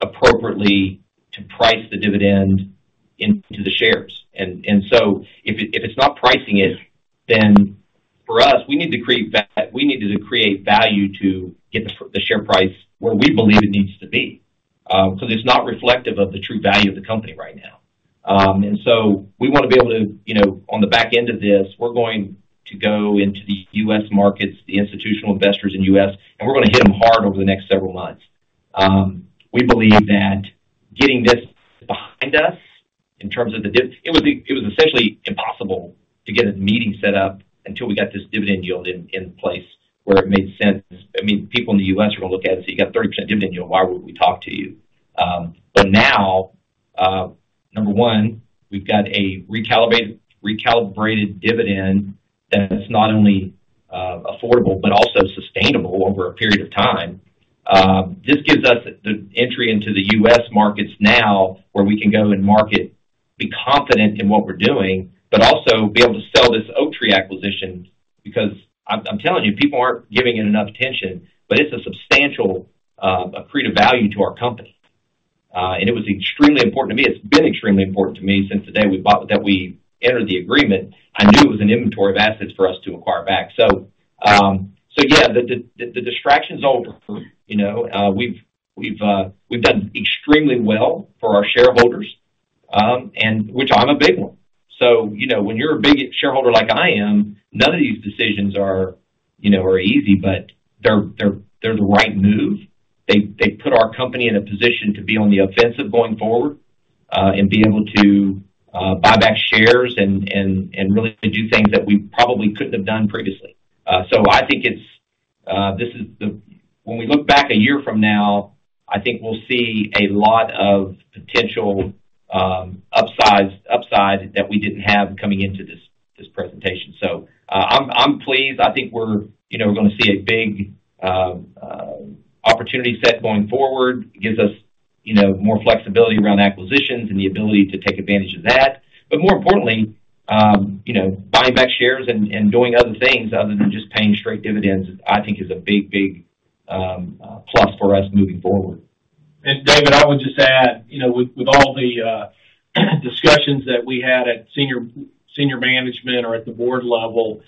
appropriately to price the dividend into the shares. And so if it's not pricing it, then for us, we needed to create value to get the share price where we believe it needs to be because it's not reflective of the true value of the company right now. And so we want to be able to, on the back end of this, go into the U.S. markets, the institutional investors in the U.S., and we're going to hit them hard over the next several months. We believe that getting this behind us in terms of the it was essentially impossible to get a meeting set up until we got this dividend yield in place where it made sense. I mean, people in the U.S. are going to look at it and say, "You got a 30% dividend yield. Why wouldn't we talk to you?" But now, number one, we've got a recalibrated dividend that's not only affordable but also sustainable over a period of time. This gives us the entry into the U.S. markets now where we can go and market, be confident in what we're doing, but also be able to sell this Oaktree acquisition because I'm telling you, people aren't giving it enough attention, but it's a substantial accretive value to our company. And it was extremely important to me. It's been extremely important to me since the day that we entered the agreement. I knew it was an inventory of assets for us to acquire back. So yeah, the distraction's over. We've done extremely well for our shareholders, which I'm a big one. So when you're a big shareholder like I am, none of these decisions are easy, but they're the right move. They put our company in a position to be on the offensive going forward and be able to buy back shares and really do things that we probably couldn't have done previously. So I think this is the when we look back a year from now, I think we'll see a lot of potential upside that we didn't have coming into this presentation. So I'm pleased. I think we're going to see a big opportunity set going forward. It gives us more flexibility around acquisitions and the ability to take advantage of that. But more importantly, buying back shares and doing other things other than just paying straight dividends, I think, is a big, big plus for us moving forward. And David, I would just add, with all the discussions that we had at senior management or at the board level,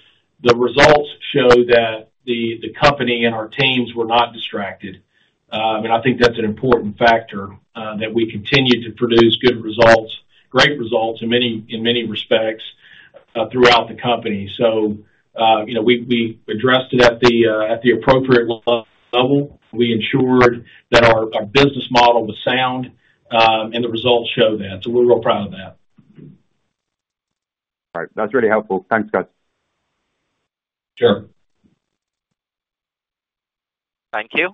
the results show that the company and our teams were not distracted. And I think that's an important factor, that we continue to produce good results, great results in many respects throughout the company. So we addressed it at the appropriate level. We ensured that our business model was sound, and the results show that. So we're real proud of that. All right. That's really helpful. Thanks, guys. Sure. Thank you.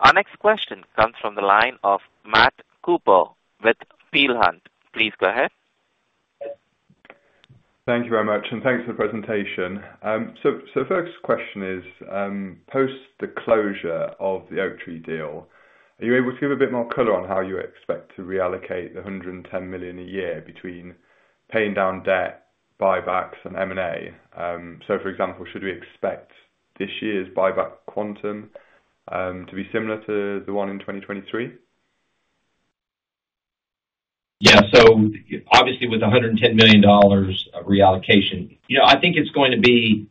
Our next question comes from the line of Matt Cooper with Peel Hunt, please go ahead. Thank you very much, and thanks for the presentation. So first question is, post the closure of the Oaktree deal, are you able to give a bit more color on how you expect to reallocate the $110 million a year between paying down debt, buybacks, and M&A? So for example, should we expect this year's buyback quantum to be similar to the one in 2023? Yeah. So obviously, with the $110 million reallocation, I think it's going to be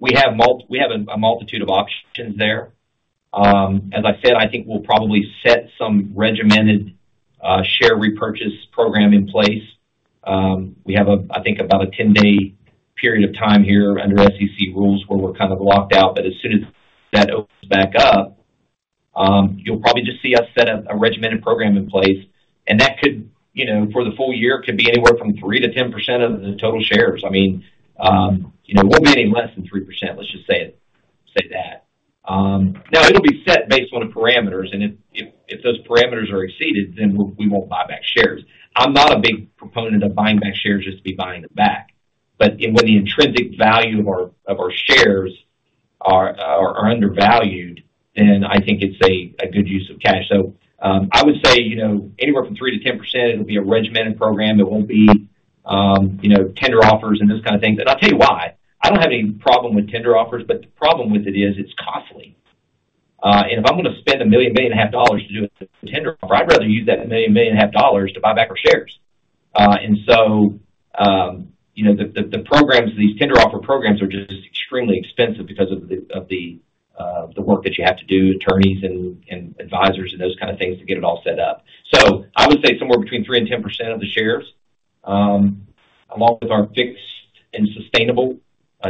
we have a multitude of options there. As I said, I think we'll probably set some regimented share repurchase program in place. We have, I think, about a 10-day period of time here under SEC rules where we're kind of locked out. But as soon as that opens back up, you'll probably just see us set up a regimented program in place. And that could, for the full year, could be anywhere from 3%-10% of the total shares. I mean, it won't be any less than 3%, let's just say that. Now, it'll be set based on the parameters. And if those parameters are exceeded, then we won't buy back shares. I'm not a big proponent of buying back shares just to be buying them back. But when the intrinsic value of our shares are undervalued, then I think it's a good use of cash. So I would say anywhere from 3%-10%, it'll be a regimented program. It won't be tender offers and this kind of thing. And I'll tell you why. I don't have any problem with tender offers, but the problem with it is it's costly. If I'm going to spend $1 million, $1.5 million to do a tender offer, I'd rather use that $1 million, $1.5 million to buy back our shares. So the programs, these tender offer programs, are just extremely expensive because of the work that you have to do, attorneys and advisors and those kind of things, to get it all set up. So I would say somewhere between 3%-10% of the shares along with our fixed and sustainable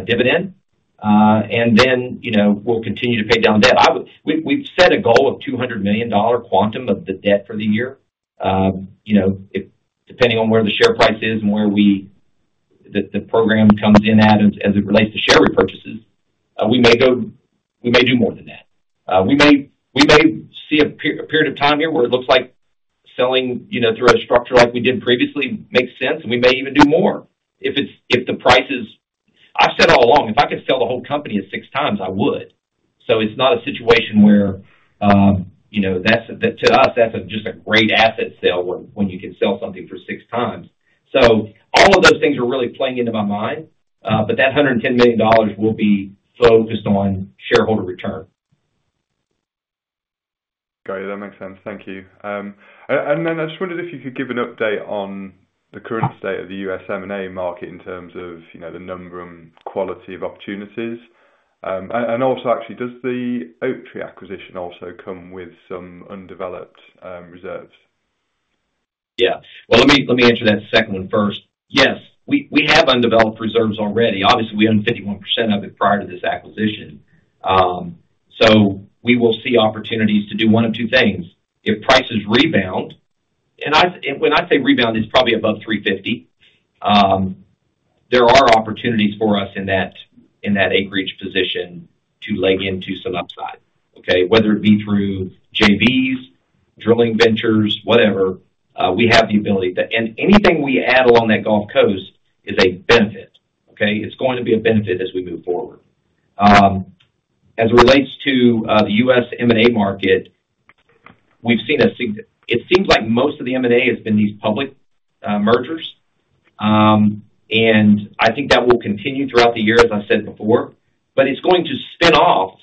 dividend. Then we'll continue to pay down debt. We've set a goal of $200 million quantum of the debt for the year. Depending on where the share price is and where the program comes in at as it relates to share repurchases, we may do more than that. We may see a period of time here where it looks like selling through a structure like we did previously makes sense, and we may even do more if the price is right. I've said all along, if I could sell the whole company at 6x, I would. So it's not a situation where to us, that's just a great asset sale when you can sell something for 6x. So all of those things are really playing into my mind. But that $110 million will be focused on shareholder return. Got you. That makes sense. Thank you. And then I just wondered if you could give an update on the current state of the U.S. M&A market in terms of the number and quality of opportunities. And also, actually, does the Oaktree acquisition also come with some undeveloped reserves? Yeah. Well, let me answer that second one first. Yes, we have undeveloped reserves already. Obviously, we own 51% of it prior to this acquisition. So we will see opportunities to do one of two things. If prices rebound and when I say rebound, it's probably above $3.50. There are opportunities for us in that acreage position to leg into some upside, okay, whether it be through JVs, drilling ventures, whatever. We have the ability to and anything we add along that Gulf Coast is a benefit, okay? It's going to be a benefit as we move forward. As it relates to the U.S. M&A market, we've seen it seems like most of the M&A has been these public mergers. And I think that will continue throughout the year, as I said before. But it's going to spin off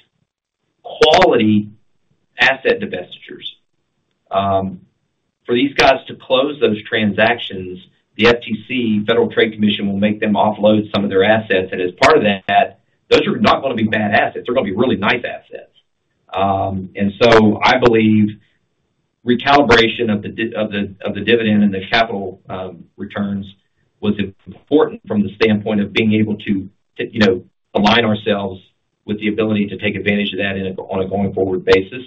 quality asset divestitures. For these guys to close those transactions, the FTSE, Federal Trade Commission, will make them offload some of their assets. And as part of that, those are not going to be bad assets. They're going to be really nice assets. And so I believe recalibration of the dividend and the capital returns was important from the standpoint of being able to align ourselves with the ability to take advantage of that on a going forward basis.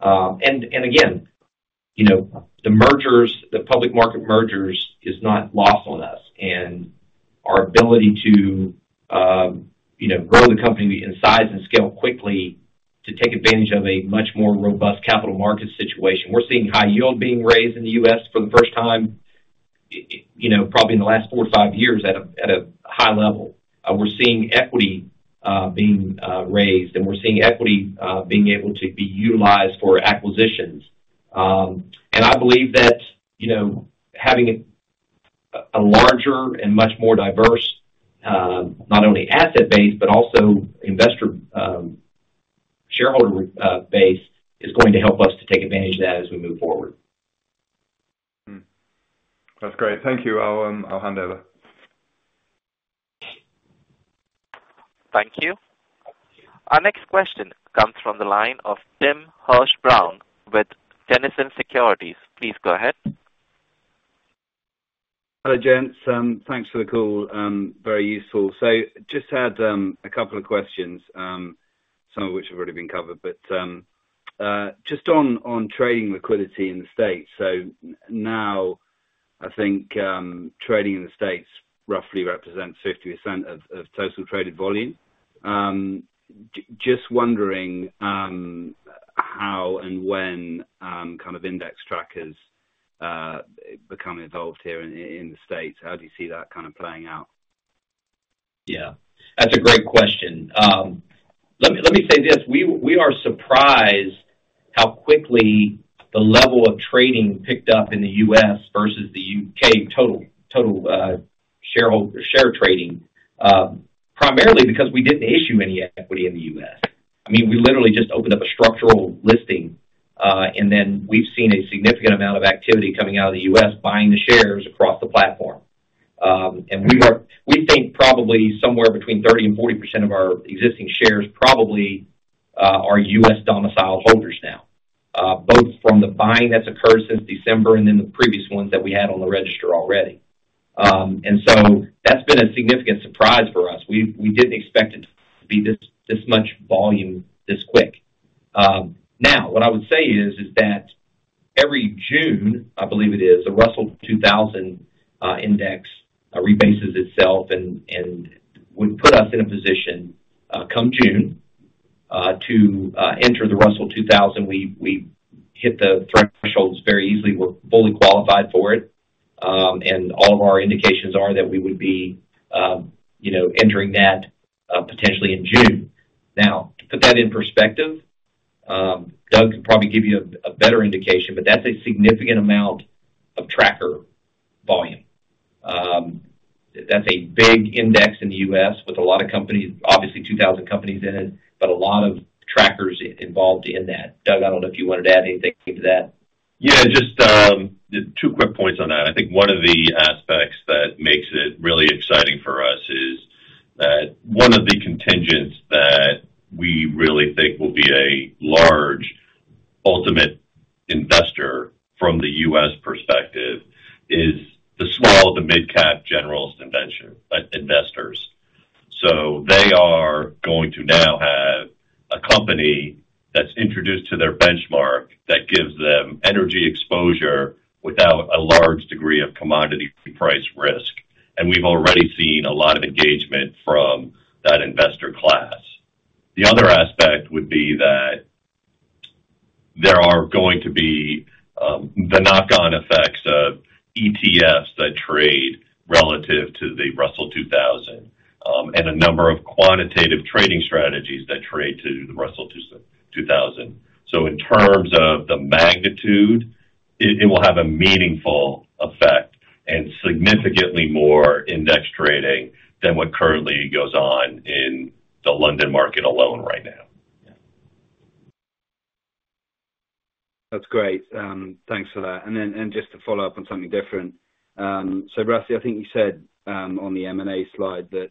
And again, the mergers, the public market mergers, is not lost on us. And our ability to grow the company in size and scale quickly to take advantage of a much more robust capital markets situation we're seeing high yield being raised in the U.S. for the first time, probably in the last 4-5 years, at a high level. We're seeing equity being raised, and we're seeing equity being able to be utilized for acquisitions. And I believe that having a larger and much more diverse not only asset base but also shareholder base is going to help us to take advantage of that as we move forward. That's great. Thank you. I'll hand over. Thank you. Our next question comes from the line of Tim Hurst-Brown with Tennyson Securities. Please go ahead. Hello, Gents. Thanks for the call. Very useful. So just had a couple of questions, some of which have already been covered. But just on trading liquidity in the States. So now, I think trading in the States roughly represents 50% of total traded volume. Just wondering how and when kind of index trackers become involved here in the States. How do you see that kind of playing out? Yeah. That's a great question. Let me say this. We are surprised how quickly the level of trading picked up in the U.S. versus the U.K. total share trading, primarily because we didn't issue any equity in the U.S. I mean, we literally just opened up a structural listing, and then we've seen a significant amount of activity coming out of the U.S. buying the shares across the platform. And we think probably somewhere between 30% and 40% of our existing shares probably are U.S. domiciled holders now, both from the buying that's occurred since December and then the previous ones that we had on the register already. And so that's been a significant surprise for us. We didn't expect it to be this much volume this quick. Now, what I would say is that every June, I believe it is, the Russell 2000 Index rebases itself and would put us in a position come June to enter the Russell 2000. We hit the thresholds very easily. We're fully qualified for it. And all of our indications are that we would be entering that potentially in June. Now, to put that in perspective, Doug could probably give you a better indication, but that's a significant amount of tracker volume. That's a big index in the U.S. with a lot of companies, obviously, 2,000 companies in it, but a lot of trackers involved in that. Doug, I don't know if you wanted to add anything to that. Yeah. Just two quick points on that. I think one of the aspects that makes it really exciting for us is that one of the contingents that we really think will be a large ultimate investor from the U.S. perspective is the small to mid-cap generalist investors. So they are going to now have a company that's introduced to their benchmark that gives them energy exposure without a large degree of commodity price risk. And we've already seen a lot of engagement from that investor class. The other aspect would be that there are going to be the knock-on effects of ETFs that trade relative to the Russell 2000 and a number of quantitative trading strategies that trade to the Russell 2000. So in terms of the magnitude, it will have a meaningful effect and significantly more index trading than what currently goes on in the London market alone right now. Yeah. That's great. Thanks for that. And then just to follow up on something different. So Rusty, I think you said on the M&A slide that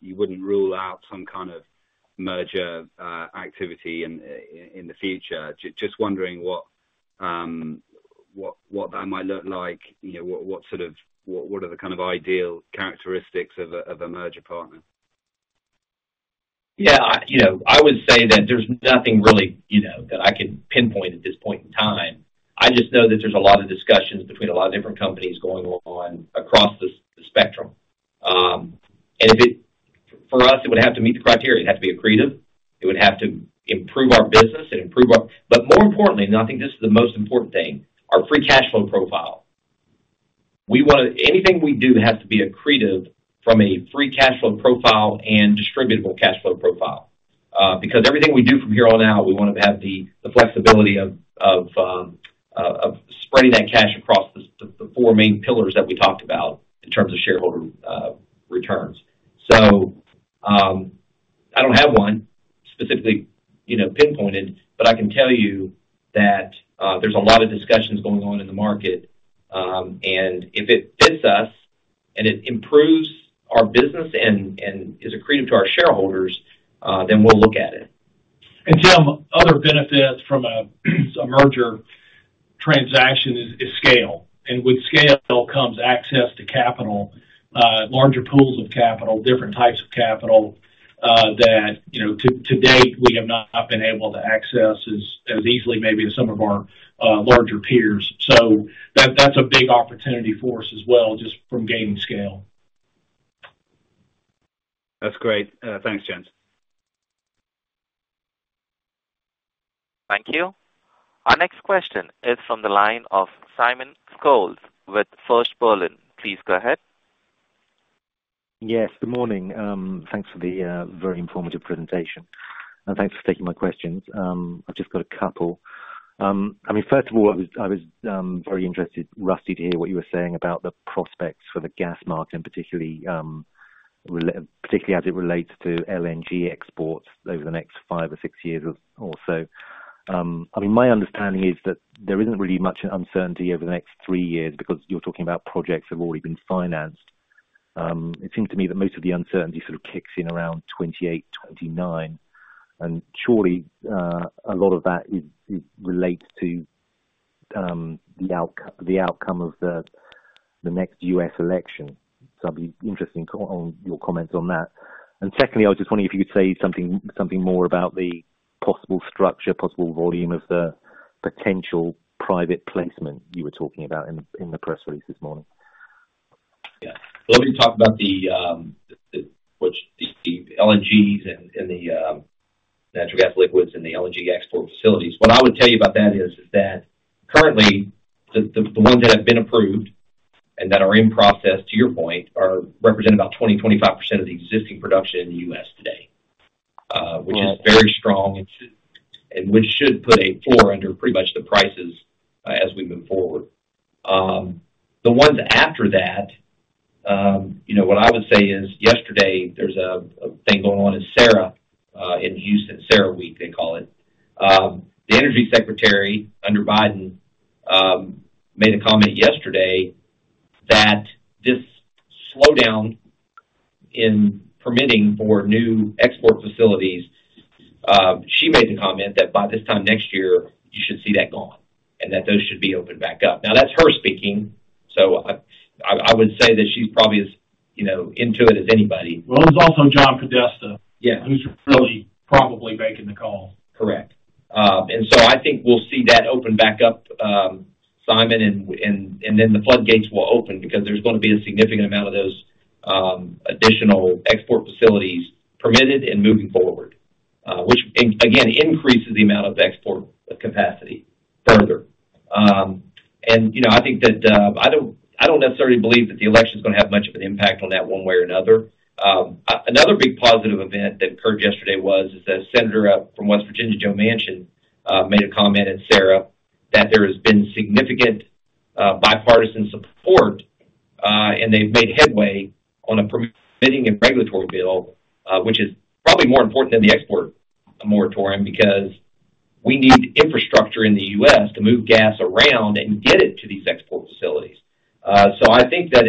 you wouldn't rule out some kind of merger activity in the future. Just wondering what that might look like. What sort of what are the kind of ideal characteristics of a merger partner? Yeah. I would say that there's nothing really that I could pinpoint at this point in time. I just know that there's a lot of discussions between a lot of different companies going on across the spectrum. And for us, it would have to meet the criteria. It'd have to be accretive. It would have to improve our business and improve our, but more importantly, and I think this is the most important thing, our free cash flow profile. Anything we do has to be accretive from a free cash flow profile and distributable cash flow profile because everything we do from here on out, we want to have the flexibility of spreading that cash across the four main pillars that we talked about in terms of shareholder returns. So I don't have one specifically pinpointed, but I can tell you that there's a lot of discussions going on in the market. And if it fits us and it improves our business and is accretive to our shareholders, then we'll look at it. And Tim, other benefits from a merger transaction is scale. And with scale comes access to capital, larger pools of capital, different types of capital that to date, we have not been able to access as easily maybe as some of our larger peers. So that's a big opportunity for us as well just from gaining scale. That's great. Thanks, Gents. Thank you. Our next question is from the line of Simon Scholes with First Berlin. Please go ahead. Yes. Good morning. Thanks for the very informative presentation. And thanks for taking my questions. I've just got a couple. I mean, first of all, I was very interested, Rusty, to hear what you were saying about the prospects for the gas market, particularly as it relates to LNG exports over the next five or six years or so. I mean, my understanding is that there isn't really much uncertainty over the next three years because you're talking about projects that have already been financed. It seems to me that most of the uncertainty sort of kicks in around 2028, 2029. And surely, a lot of that relates to the outcome of the next U.S. election. So I'd be interested in your comments on that. And secondly, I was just wondering if you could say something more about the possible structure, possible volume of the potential private placement you were talking about in the press release this morning. Yeah. Well, let me talk about the LNGs and the natural gas liquids and the LNG export facilities. What I would tell you about that is that currently, the ones that have been approved and that are in process, to your point, represent about 20%-25% of the existing production in the U.S. today, which is very strong and which should put a floor under pretty much the prices as we move forward. The ones after that, what I would say is yesterday, there's a thing going on in CERAWeek in Houston, CERAWeek, they call it. The energy secretary under Biden made a comment yesterday that this slowdown in permitting for new export facilities. She made the comment that by this time next year, you should see that gone and that those should be opened back up. Now, that's her speaking. So I would say that she's probably as into it as anybody. Well, it was also John Podesta who's really probably making the call. Correct. And so I think we'll see that open back up, Simon. And then the floodgates will open because there's going to be a significant amount of those additional export facilities permitted and moving forward, which, again, increases the amount of export capacity further. I think that I don't necessarily believe that the election is going to have much of an impact on that one way or another. Another big positive event that occurred yesterday was that Senator from West Virginia, Joe Manchin, made a comment at CERAWeek that there has been significant bipartisan support, and they've made headway on a permitting and regulatory bill, which is probably more important than the export moratorium because we need infrastructure in the U.S. to move gas around and get it to these export facilities. So I think that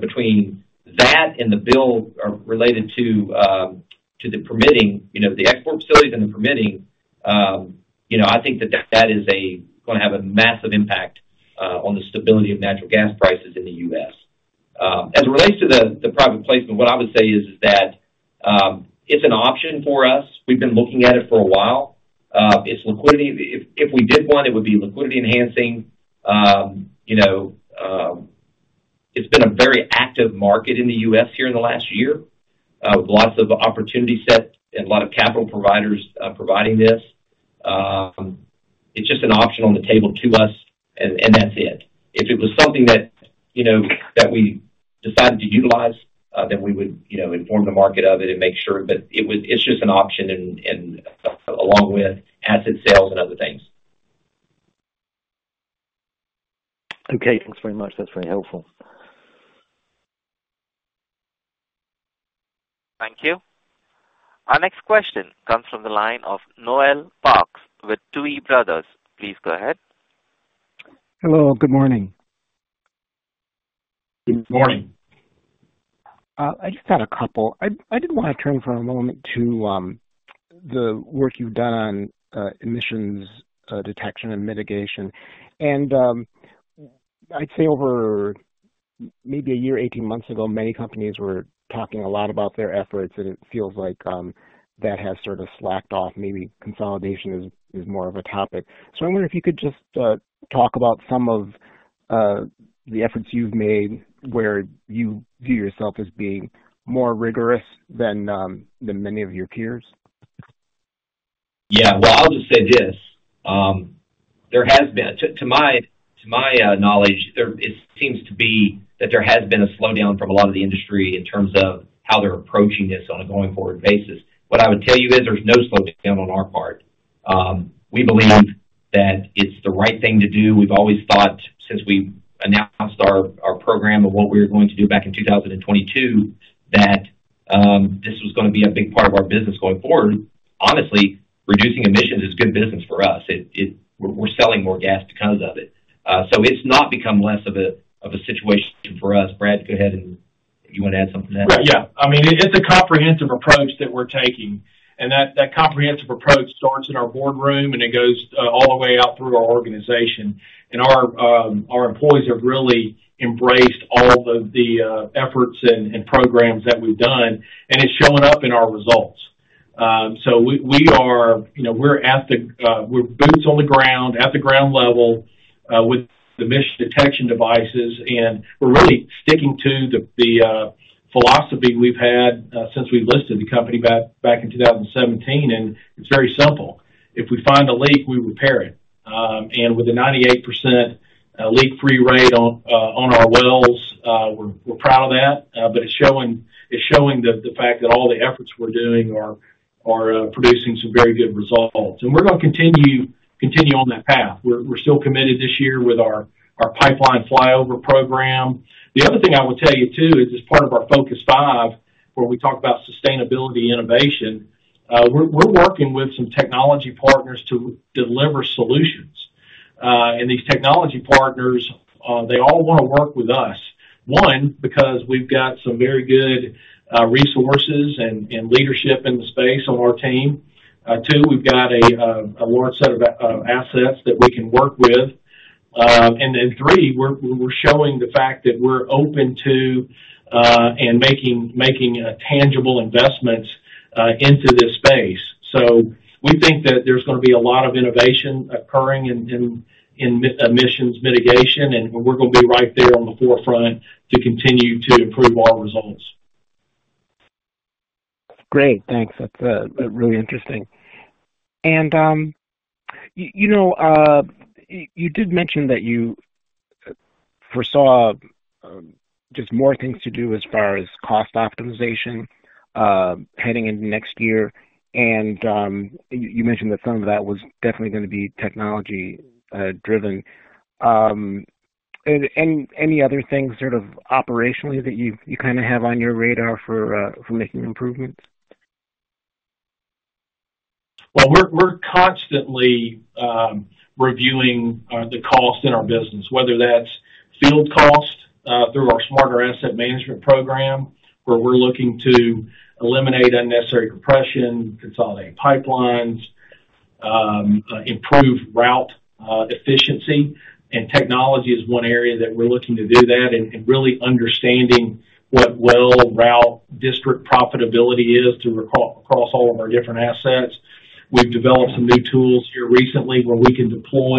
between that and the bill related to the permitting, the export facilities and the permitting, I think that that is going to have a massive impact on the stability of natural gas prices in the U.S. As it relates to the private placement, what I would say is that it's an option for us. We've been looking at it for a while. If we did want, it would be liquidity-enhancing. It's been a very active market in the U.S. here in the last year with lots of opportunity set and a lot of capital providers providing this. It's just an option on the table to us, and that's it. If it was something that we decided to utilize, then we would inform the market of it and make sure that it's just an option along with asset sales and other things. Okay. Thanks very much. That's very helpful. Thank you. Our next question comes from the line of Noel Parks with Tuohy Brothers. Please go ahead. Hello. Good morning. Good morning. I just had a couple. I didn't want to turn for a moment to the work you've done on emissions detection and mitigation. I'd say over maybe a year, 18 months ago, many companies were talking a lot about their efforts, and it feels like that has sort of slacked off. Maybe consolidation is more of a topic. I wonder if you could just talk about some of the efforts you've made where you view yourself as being more rigorous than many of your peers. Yeah. Well, I'll just say this. There has been to my knowledge, it seems to be that there has been a slowdown from a lot of the industry in terms of how they're approaching this on a going forward basis. What I would tell you is there's no slowdown on our part. We believe that it's the right thing to do. We've always thought since we announced our program and what we were going to do back in 2022 that this was going to be a big part of our business going forward. Honestly, reducing emissions is good business for us. We're selling more gas because of it. So it's not become less of a situation for us. Brad, go ahead. And you want to add something to that? Right. Yeah. I mean, it's a comprehensive approach that we're taking. And that comprehensive approach starts in our boardroom, and it goes all the way out through our organization. And our employees have really embraced all of the efforts and programs that we've done, and it's showing up in our results. So we're boots on the ground at the ground level with the emission detection devices, and we're really sticking to the philosophy we've had since we listed the company back in 2017. It's very simple. If we find a leak, we repair it. With a 98% leak-free rate on our wells, we're proud of that. But it's showing the fact that all the efforts we're doing are producing some very good results. We're going to continue on that path. We're still committed this year with our pipeline flyover program. The other thing I would tell you, too, is as part of our Focus Five where we talk about sustainability innovation, we're working with some technology partners to deliver solutions. And these technology partners, they all want to work with us, one, because we've got some very good resources and leadership in the space on our team. Two, we've got a large set of assets that we can work with. And then three, we're showing the fact that we're open to and making tangible investments into this space. So we think that there's going to be a lot of innovation occurring in emissions mitigation, and we're going to be right there on the forefront to continue to improve our results. Great. Thanks. That's really interesting. And you did mention that you foresaw just more things to do as far as cost optimization heading into next year. And you mentioned that some of that was definitely going to be technology-driven. And any other things sort of operationally that you kind of have on your radar for making improvements? Well, we're constantly reviewing the cost in our business, whether that's field cost through our Smarter Asset Management program where we're looking to eliminate unnecessary compression, consolidate pipelines, improve route efficiency. Technology is one area that we're looking to do that and really understanding what well, route, district profitability is across all of our different assets. We've developed some new tools here recently where we can deploy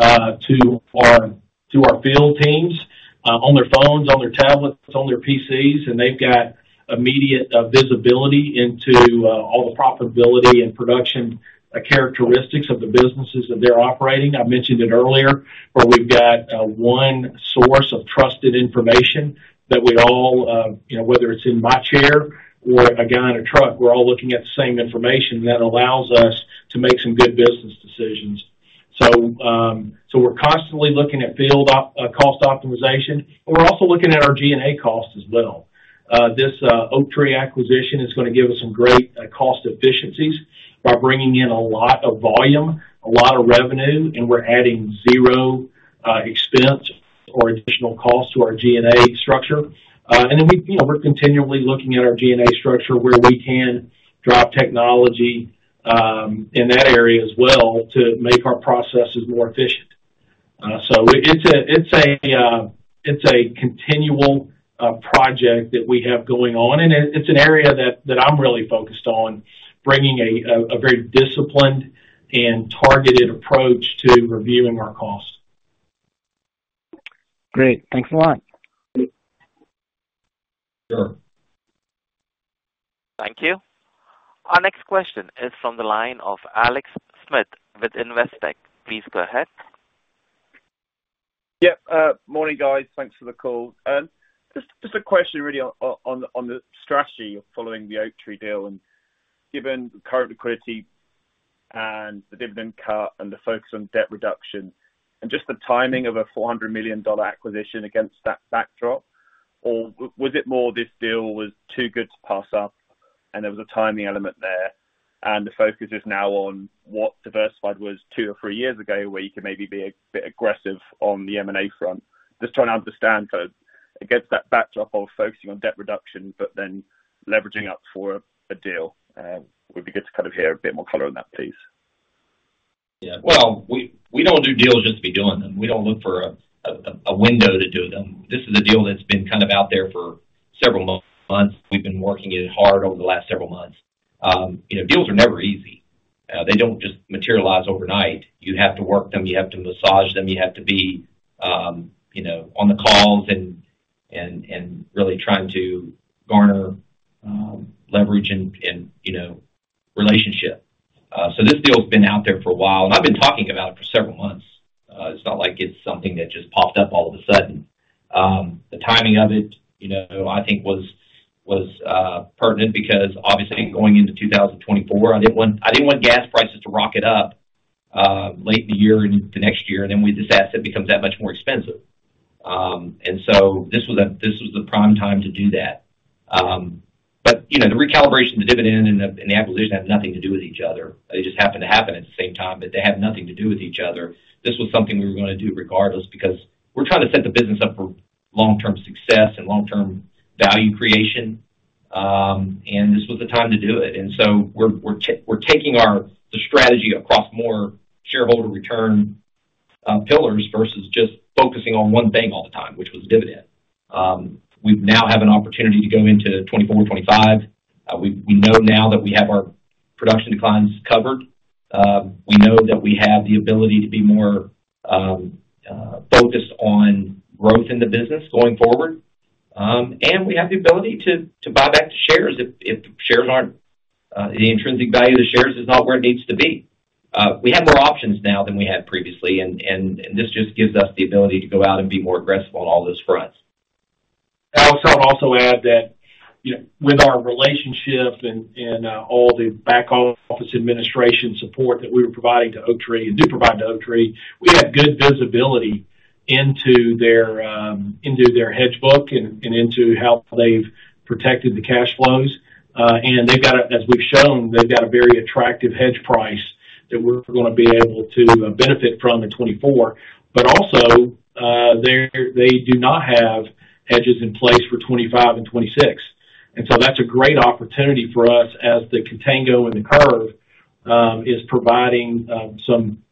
to our field teams on their phones, on their tablets, on their PCs. They've got immediate visibility into all the profitability and production characteristics of the businesses that they're operating. I mentioned it earlier where we've got one source of trusted information that we all, whether it's in my chair or a guy in a truck, we're all looking at the same information that allows us to make some good business decisions. So we're constantly looking at cost optimization, and we're also looking at our G&A cost as well. This Oaktree acquisition is going to give us some great cost efficiencies by bringing in a lot of volume, a lot of revenue, and we're adding zero expense or additional cost to our G&A structure. And then we're continually looking at our G&A structure where we can drive technology in that area as well to make our processes more efficient. So it's a continual project that we have going on. And it's an area that I'm really focused on, bringing a very disciplined and targeted approach to reviewing our cost. Great. Thanks a lot. Sure. Thank you. Our next question is from the line of Alex Smith with Investec. Please go ahead. Yep. Morning, guys. Thanks for the call. Just a question really on the strategy following the Oaktree deal. Given current liquidity and the dividend cut and the focus on debt reduction and just the timing of a $400 million acquisition against that backdrop, or was it more this deal was too good to pass up, and there was a timing element there, and the focus is now on what Diversified was two or three years ago where you can maybe be a bit aggressive on the M&A front? Just trying to understand kind of against that backdrop of focusing on debt reduction but then leveraging up for a deal. It would be good to kind of hear a bit more color on that, please. Yeah. Well, we don't do deals just to be doing them. We don't look for a window to do them. This is a deal that's been kind of out there for several months. We've been working it hard over the last several months. Deals are never easy. They don't just materialize overnight. You have to work them. You have to massage them. You have to be on the calls and really trying to garner leverage and relationship. So this deal's been out there for a while, and I've been talking about it for several months. It's not like it's something that just popped up all of a sudden. The timing of it, I think, was pertinent because obviously, going into 2024, I didn't want gas prices to rocket up late in the year and into the next year, and then this asset becomes that much more expensive. And so this was the prime time to do that. But the recalibration, the dividend, and the acquisition had nothing to do with each other. They just happened to happen at the same time, but they had nothing to do with each other. This was something we were going to do regardless because we're trying to set the business up for long-term success and long-term value creation, and this was the time to do it. And so we're taking the strategy across more shareholder return pillars versus just focusing on one thing all the time, which was dividend. We now have an opportunity to go into 2024, 2025. We know now that we have our production declines covered. We know that we have the ability to be more focused on growth in the business going forward. And we have the ability to buy back the shares if the intrinsic value of the shares is not where it needs to be. We have more options now than we had previously, and this just gives us the ability to go out and be more aggressive on all those fronts. I would also add that with our relationship and all the back-office administration support that we were providing to Oaktree and do provide to Oaktree, we have good visibility into their hedge book and into how they've protected the cash flows. And as we've shown, they've got a very attractive hedge price that we're going to be able to benefit from in 2024. But also, they do not have hedges in place for 2025 and 2026. And so that's a great opportunity for us as the contango and the curve is providing some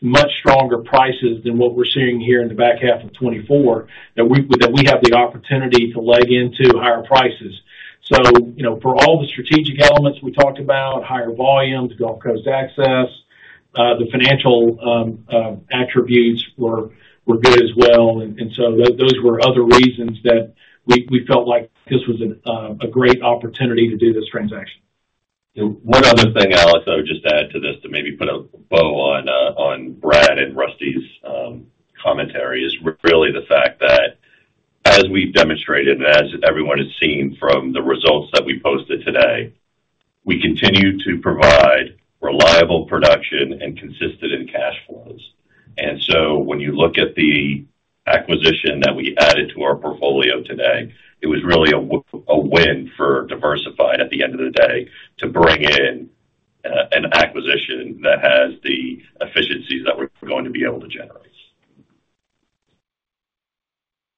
much stronger prices than what we're seeing here in the back half of 2024 that we have the opportunity to leg into higher prices. So for all the strategic elements we talked about, higher volumes, Gulf Coast access, the financial attributes were good as well. And so those were other reasons that we felt like this was a great opportunity to do this transaction. One other thing, Alex, I would just add to this to maybe put a bow on Brad and Rusty's commentary is really the fact that as we've demonstrated and as everyone has seen from the results that we posted today, we continue to provide reliable production and consistent cash flows. And so when you look at the acquisition that we added to our portfolio today, it was really a win for Diversified at the end of the day to bring in an acquisition that has the efficiencies that we're going to be able to generate.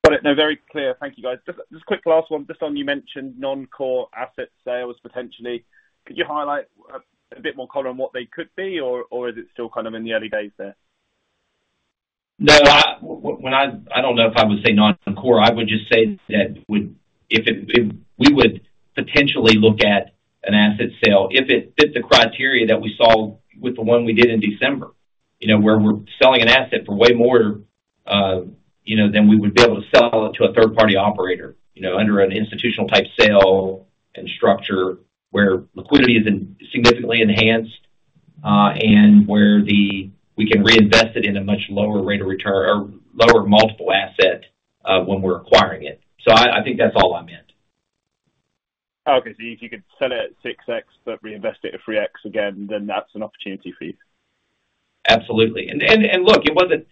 Got it. No, very clear. Thank you, guys. Just quick last one. Just on, you mentioned non-core asset sales potentially. Could you highlight a bit more color on what they could be, or is it still kind of in the early days there? No. I don't know if I would say non-core. I would just say that we would potentially look at an asset sale if it fit the criteria that we saw with the one we did in December where we're selling an asset for way more than we would be able to sell it to a third-party operator under an institutional-type sale and structure where liquidity is significantly enhanced and where we can reinvest it in a much lower rate of return or lower multiple asset when we're acquiring it. So I think that's all I meant. Okay. So if you could sell it at 6x but reinvest it at 3x again, then that's an opportunity for you? Absolutely. And look, it wasn't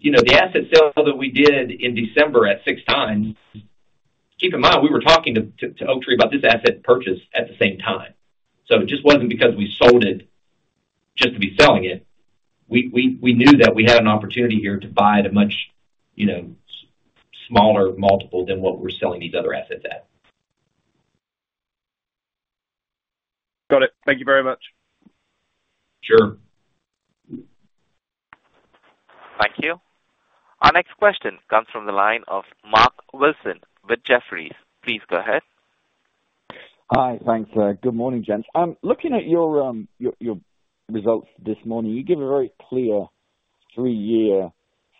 the asset sale that we did in December at 6x. Keep in mind, we were talking to Oaktree about this asset purchase at the same time. So it just wasn't because we sold it just to be selling it. We knew that we had an opportunity here to buy at a much smaller multiple than what we're selling these other assets at. Got it. Thank you very much. Sure. Thank you. Our next question comes from the line of Mark Wilson with Jefferies. Please go ahead. Hi. Thanks. Good morning, gents. Looking at your results this morning, you give a very clear 3-year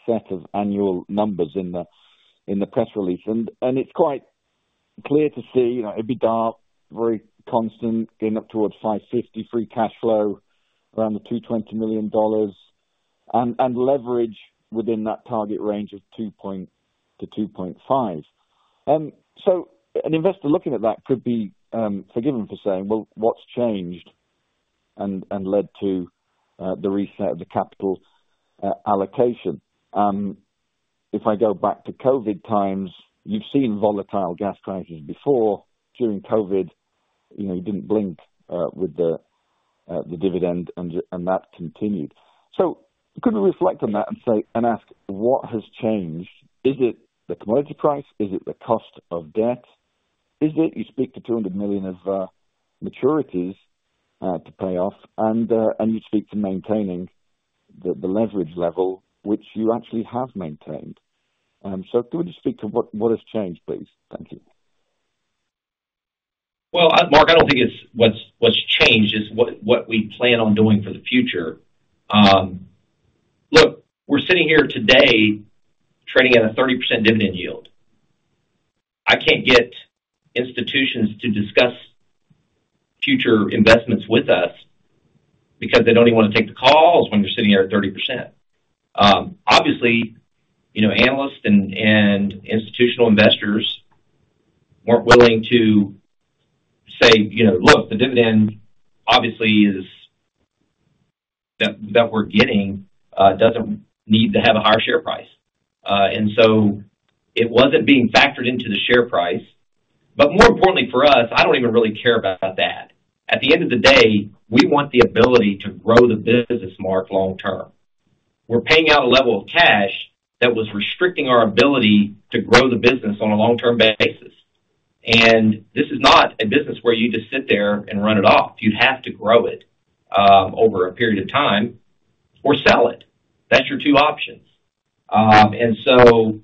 set of annual numbers in the press release. And it's quite clear to see EBITDA, very constant, getting up towards $550 million, free cash flow around the $220 million, and leverage within that target range of 2.0-2.5. So an investor looking at that could be forgiven for saying, "Well, what's changed?" and led to the reset of the capital allocation. If I go back to COVID times, you've seen volatile gas prices before. During COVID, you didn't blink with the dividend, and that continued. So could we reflect on that and ask, "What has changed? Is it the commodity price? Is it the cost of debt? Is it you speak to $200 million of maturities to pay off, and you speak to maintaining the leverage level, which you actually have maintained?" So could we just speak to what has changed, please? Thank you. Well, Mark, I don't think what's changed is what we plan on doing for the future. Look, we're sitting here today trading at a 30% dividend yield. I can't get institutions to discuss future investments with us because they don't even want to take the calls when you're sitting here at 30%. Obviously, analysts and institutional investors weren't willing to say, "Look, the dividend, obviously, that we're getting doesn't need to have a higher share price." And so it wasn't being factored into the share price. But more importantly for us, I don't even really care about that. At the end of the day, we want the ability to grow the business, Mark, long term. We're paying out a level of cash that was restricting our ability to grow the business on a long-term basis. And this is not a business where you just sit there and run it off. You'd have to grow it over a period of time or sell it. That's your two options. And so,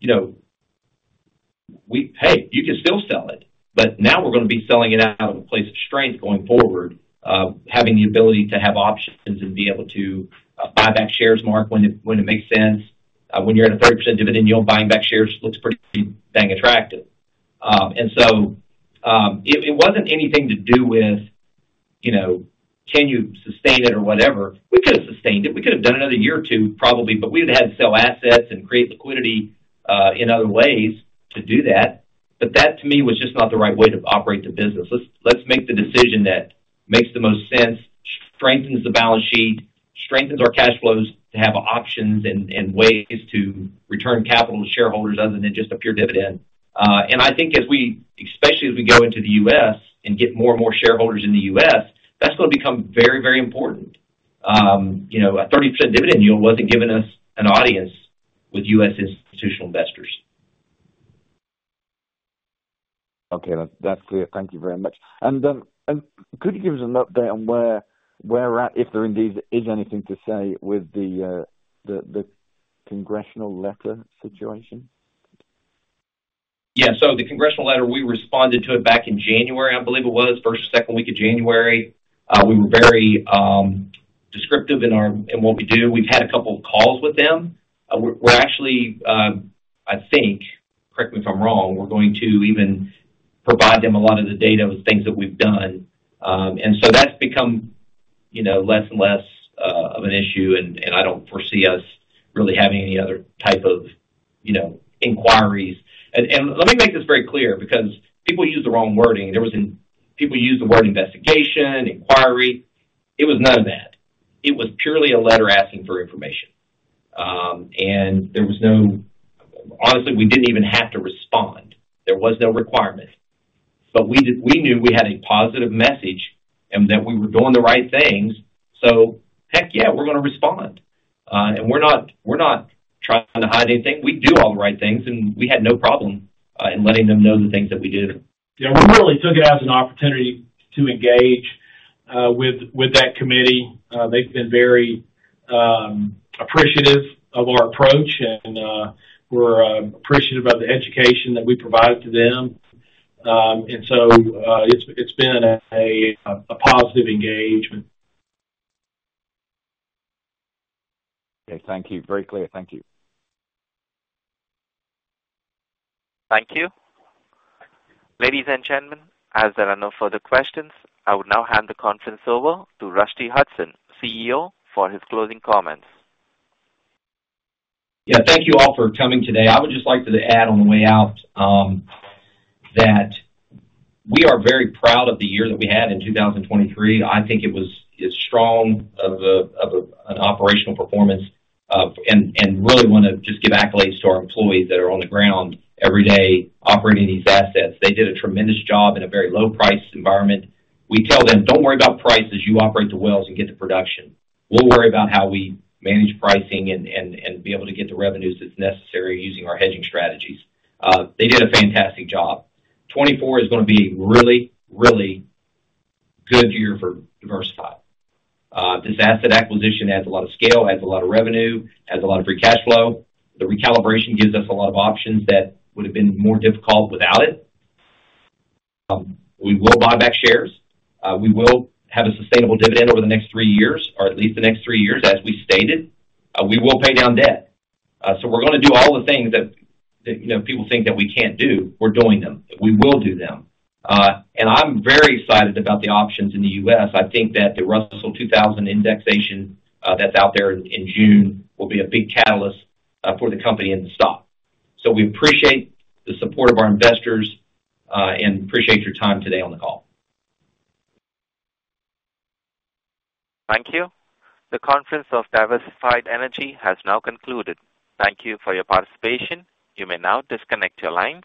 hey, you can still sell it, but now we're going to be selling it out of a place of strength going forward, having the ability to have options and be able to buy back shares, Mark, when it makes sense. When you're at a 30% dividend yield, buying back shares looks pretty dang attractive. And so it wasn't anything to do with, "Can you sustain it?" or whatever. We could have sustained it. We could have done another year or two, probably, but we would have had to sell assets and create liquidity in other ways to do that. But that, to me, was just not the right way to operate the business. Let's make the decision that makes the most sense, strengthens the balance sheet, strengthens our cash flows to have options and ways to return capital to shareholders other than just a pure dividend. I think especially as we go into the U.S. and get more and more shareholders in the U.S., that's going to become very, very important. A 30% dividend yield wasn't giving us an audience with U.S. institutional investors. Okay. That's clear. Thank you very much. Could you give us an update on where we're at if there indeed is anything to say with the congressional letter situation? Yeah. So the congressional letter, we responded to it back in January, I believe it was, first or second week of January. We were very descriptive in what we do. We've had a couple of calls with them. We're actually, I think correct me if I'm wrong. We're going to even provide them a lot of the data with things that we've done. And so that's become less and less of an issue, and I don't foresee us really having any other type of inquiries. And let me make this very clear because people use the wrong wording. There was. And people used the word investigation, inquiry. It was none of that. It was purely a letter asking for information. And honestly, we didn't even have to respond. There was no requirement. But we knew we had a positive message and that we were doing the right things. So heck yeah, we're going to respond. And we're not trying to hide anything. We do all the right things, and we had no problem in letting them know the things that we did. Yeah. We really took it as an opportunity to engage with that committee. They've been very appreciative of our approach, and we're appreciative of the education that we provided to them. And so it's been a positive engagement. Okay. Thank you. Very clear. Thank you. Thank you, ladies and gentlemen. As there are no further questions, I would now hand the conference over to Rusty Hutson, CEO, for his closing comments. Yeah. Thank you all for coming today. I would just like to add on the way out that we are very proud of the year that we had in 2023. I think it was strong of an operational performance and really want to just give accolades to our employees that are on the ground every day operating these assets. They did a tremendous job in a very low-price environment. We tell them, "Don't worry about prices. You operate the wells and get the production. We'll worry about how we manage pricing and be able to get the revenues that's necessary using our hedging strategies." They did a fantastic job. 2024 is going to be a really, really good year for Diversified. This asset acquisition adds a lot of scale, adds a lot of revenue, adds a lot of free cash flow. The recalibration gives us a lot of options that would have been more difficult without it. We will buy back shares. We will have a sustainable dividend over the next three years or at least the next three years as we stated. We will pay down debt. So we're going to do all the things that people think that we can't do. We're doing them. We will do them. And I'm very excited about the options in the U.S. I think that the Russell 2000 indexation that's out there in June will be a big catalyst for the company and the stock. So we appreciate the support of our investors and appreciate your time today on the call. Thank you. The conference of Diversified Energy has now concluded. Thank you for your participation. You may now disconnect your lines.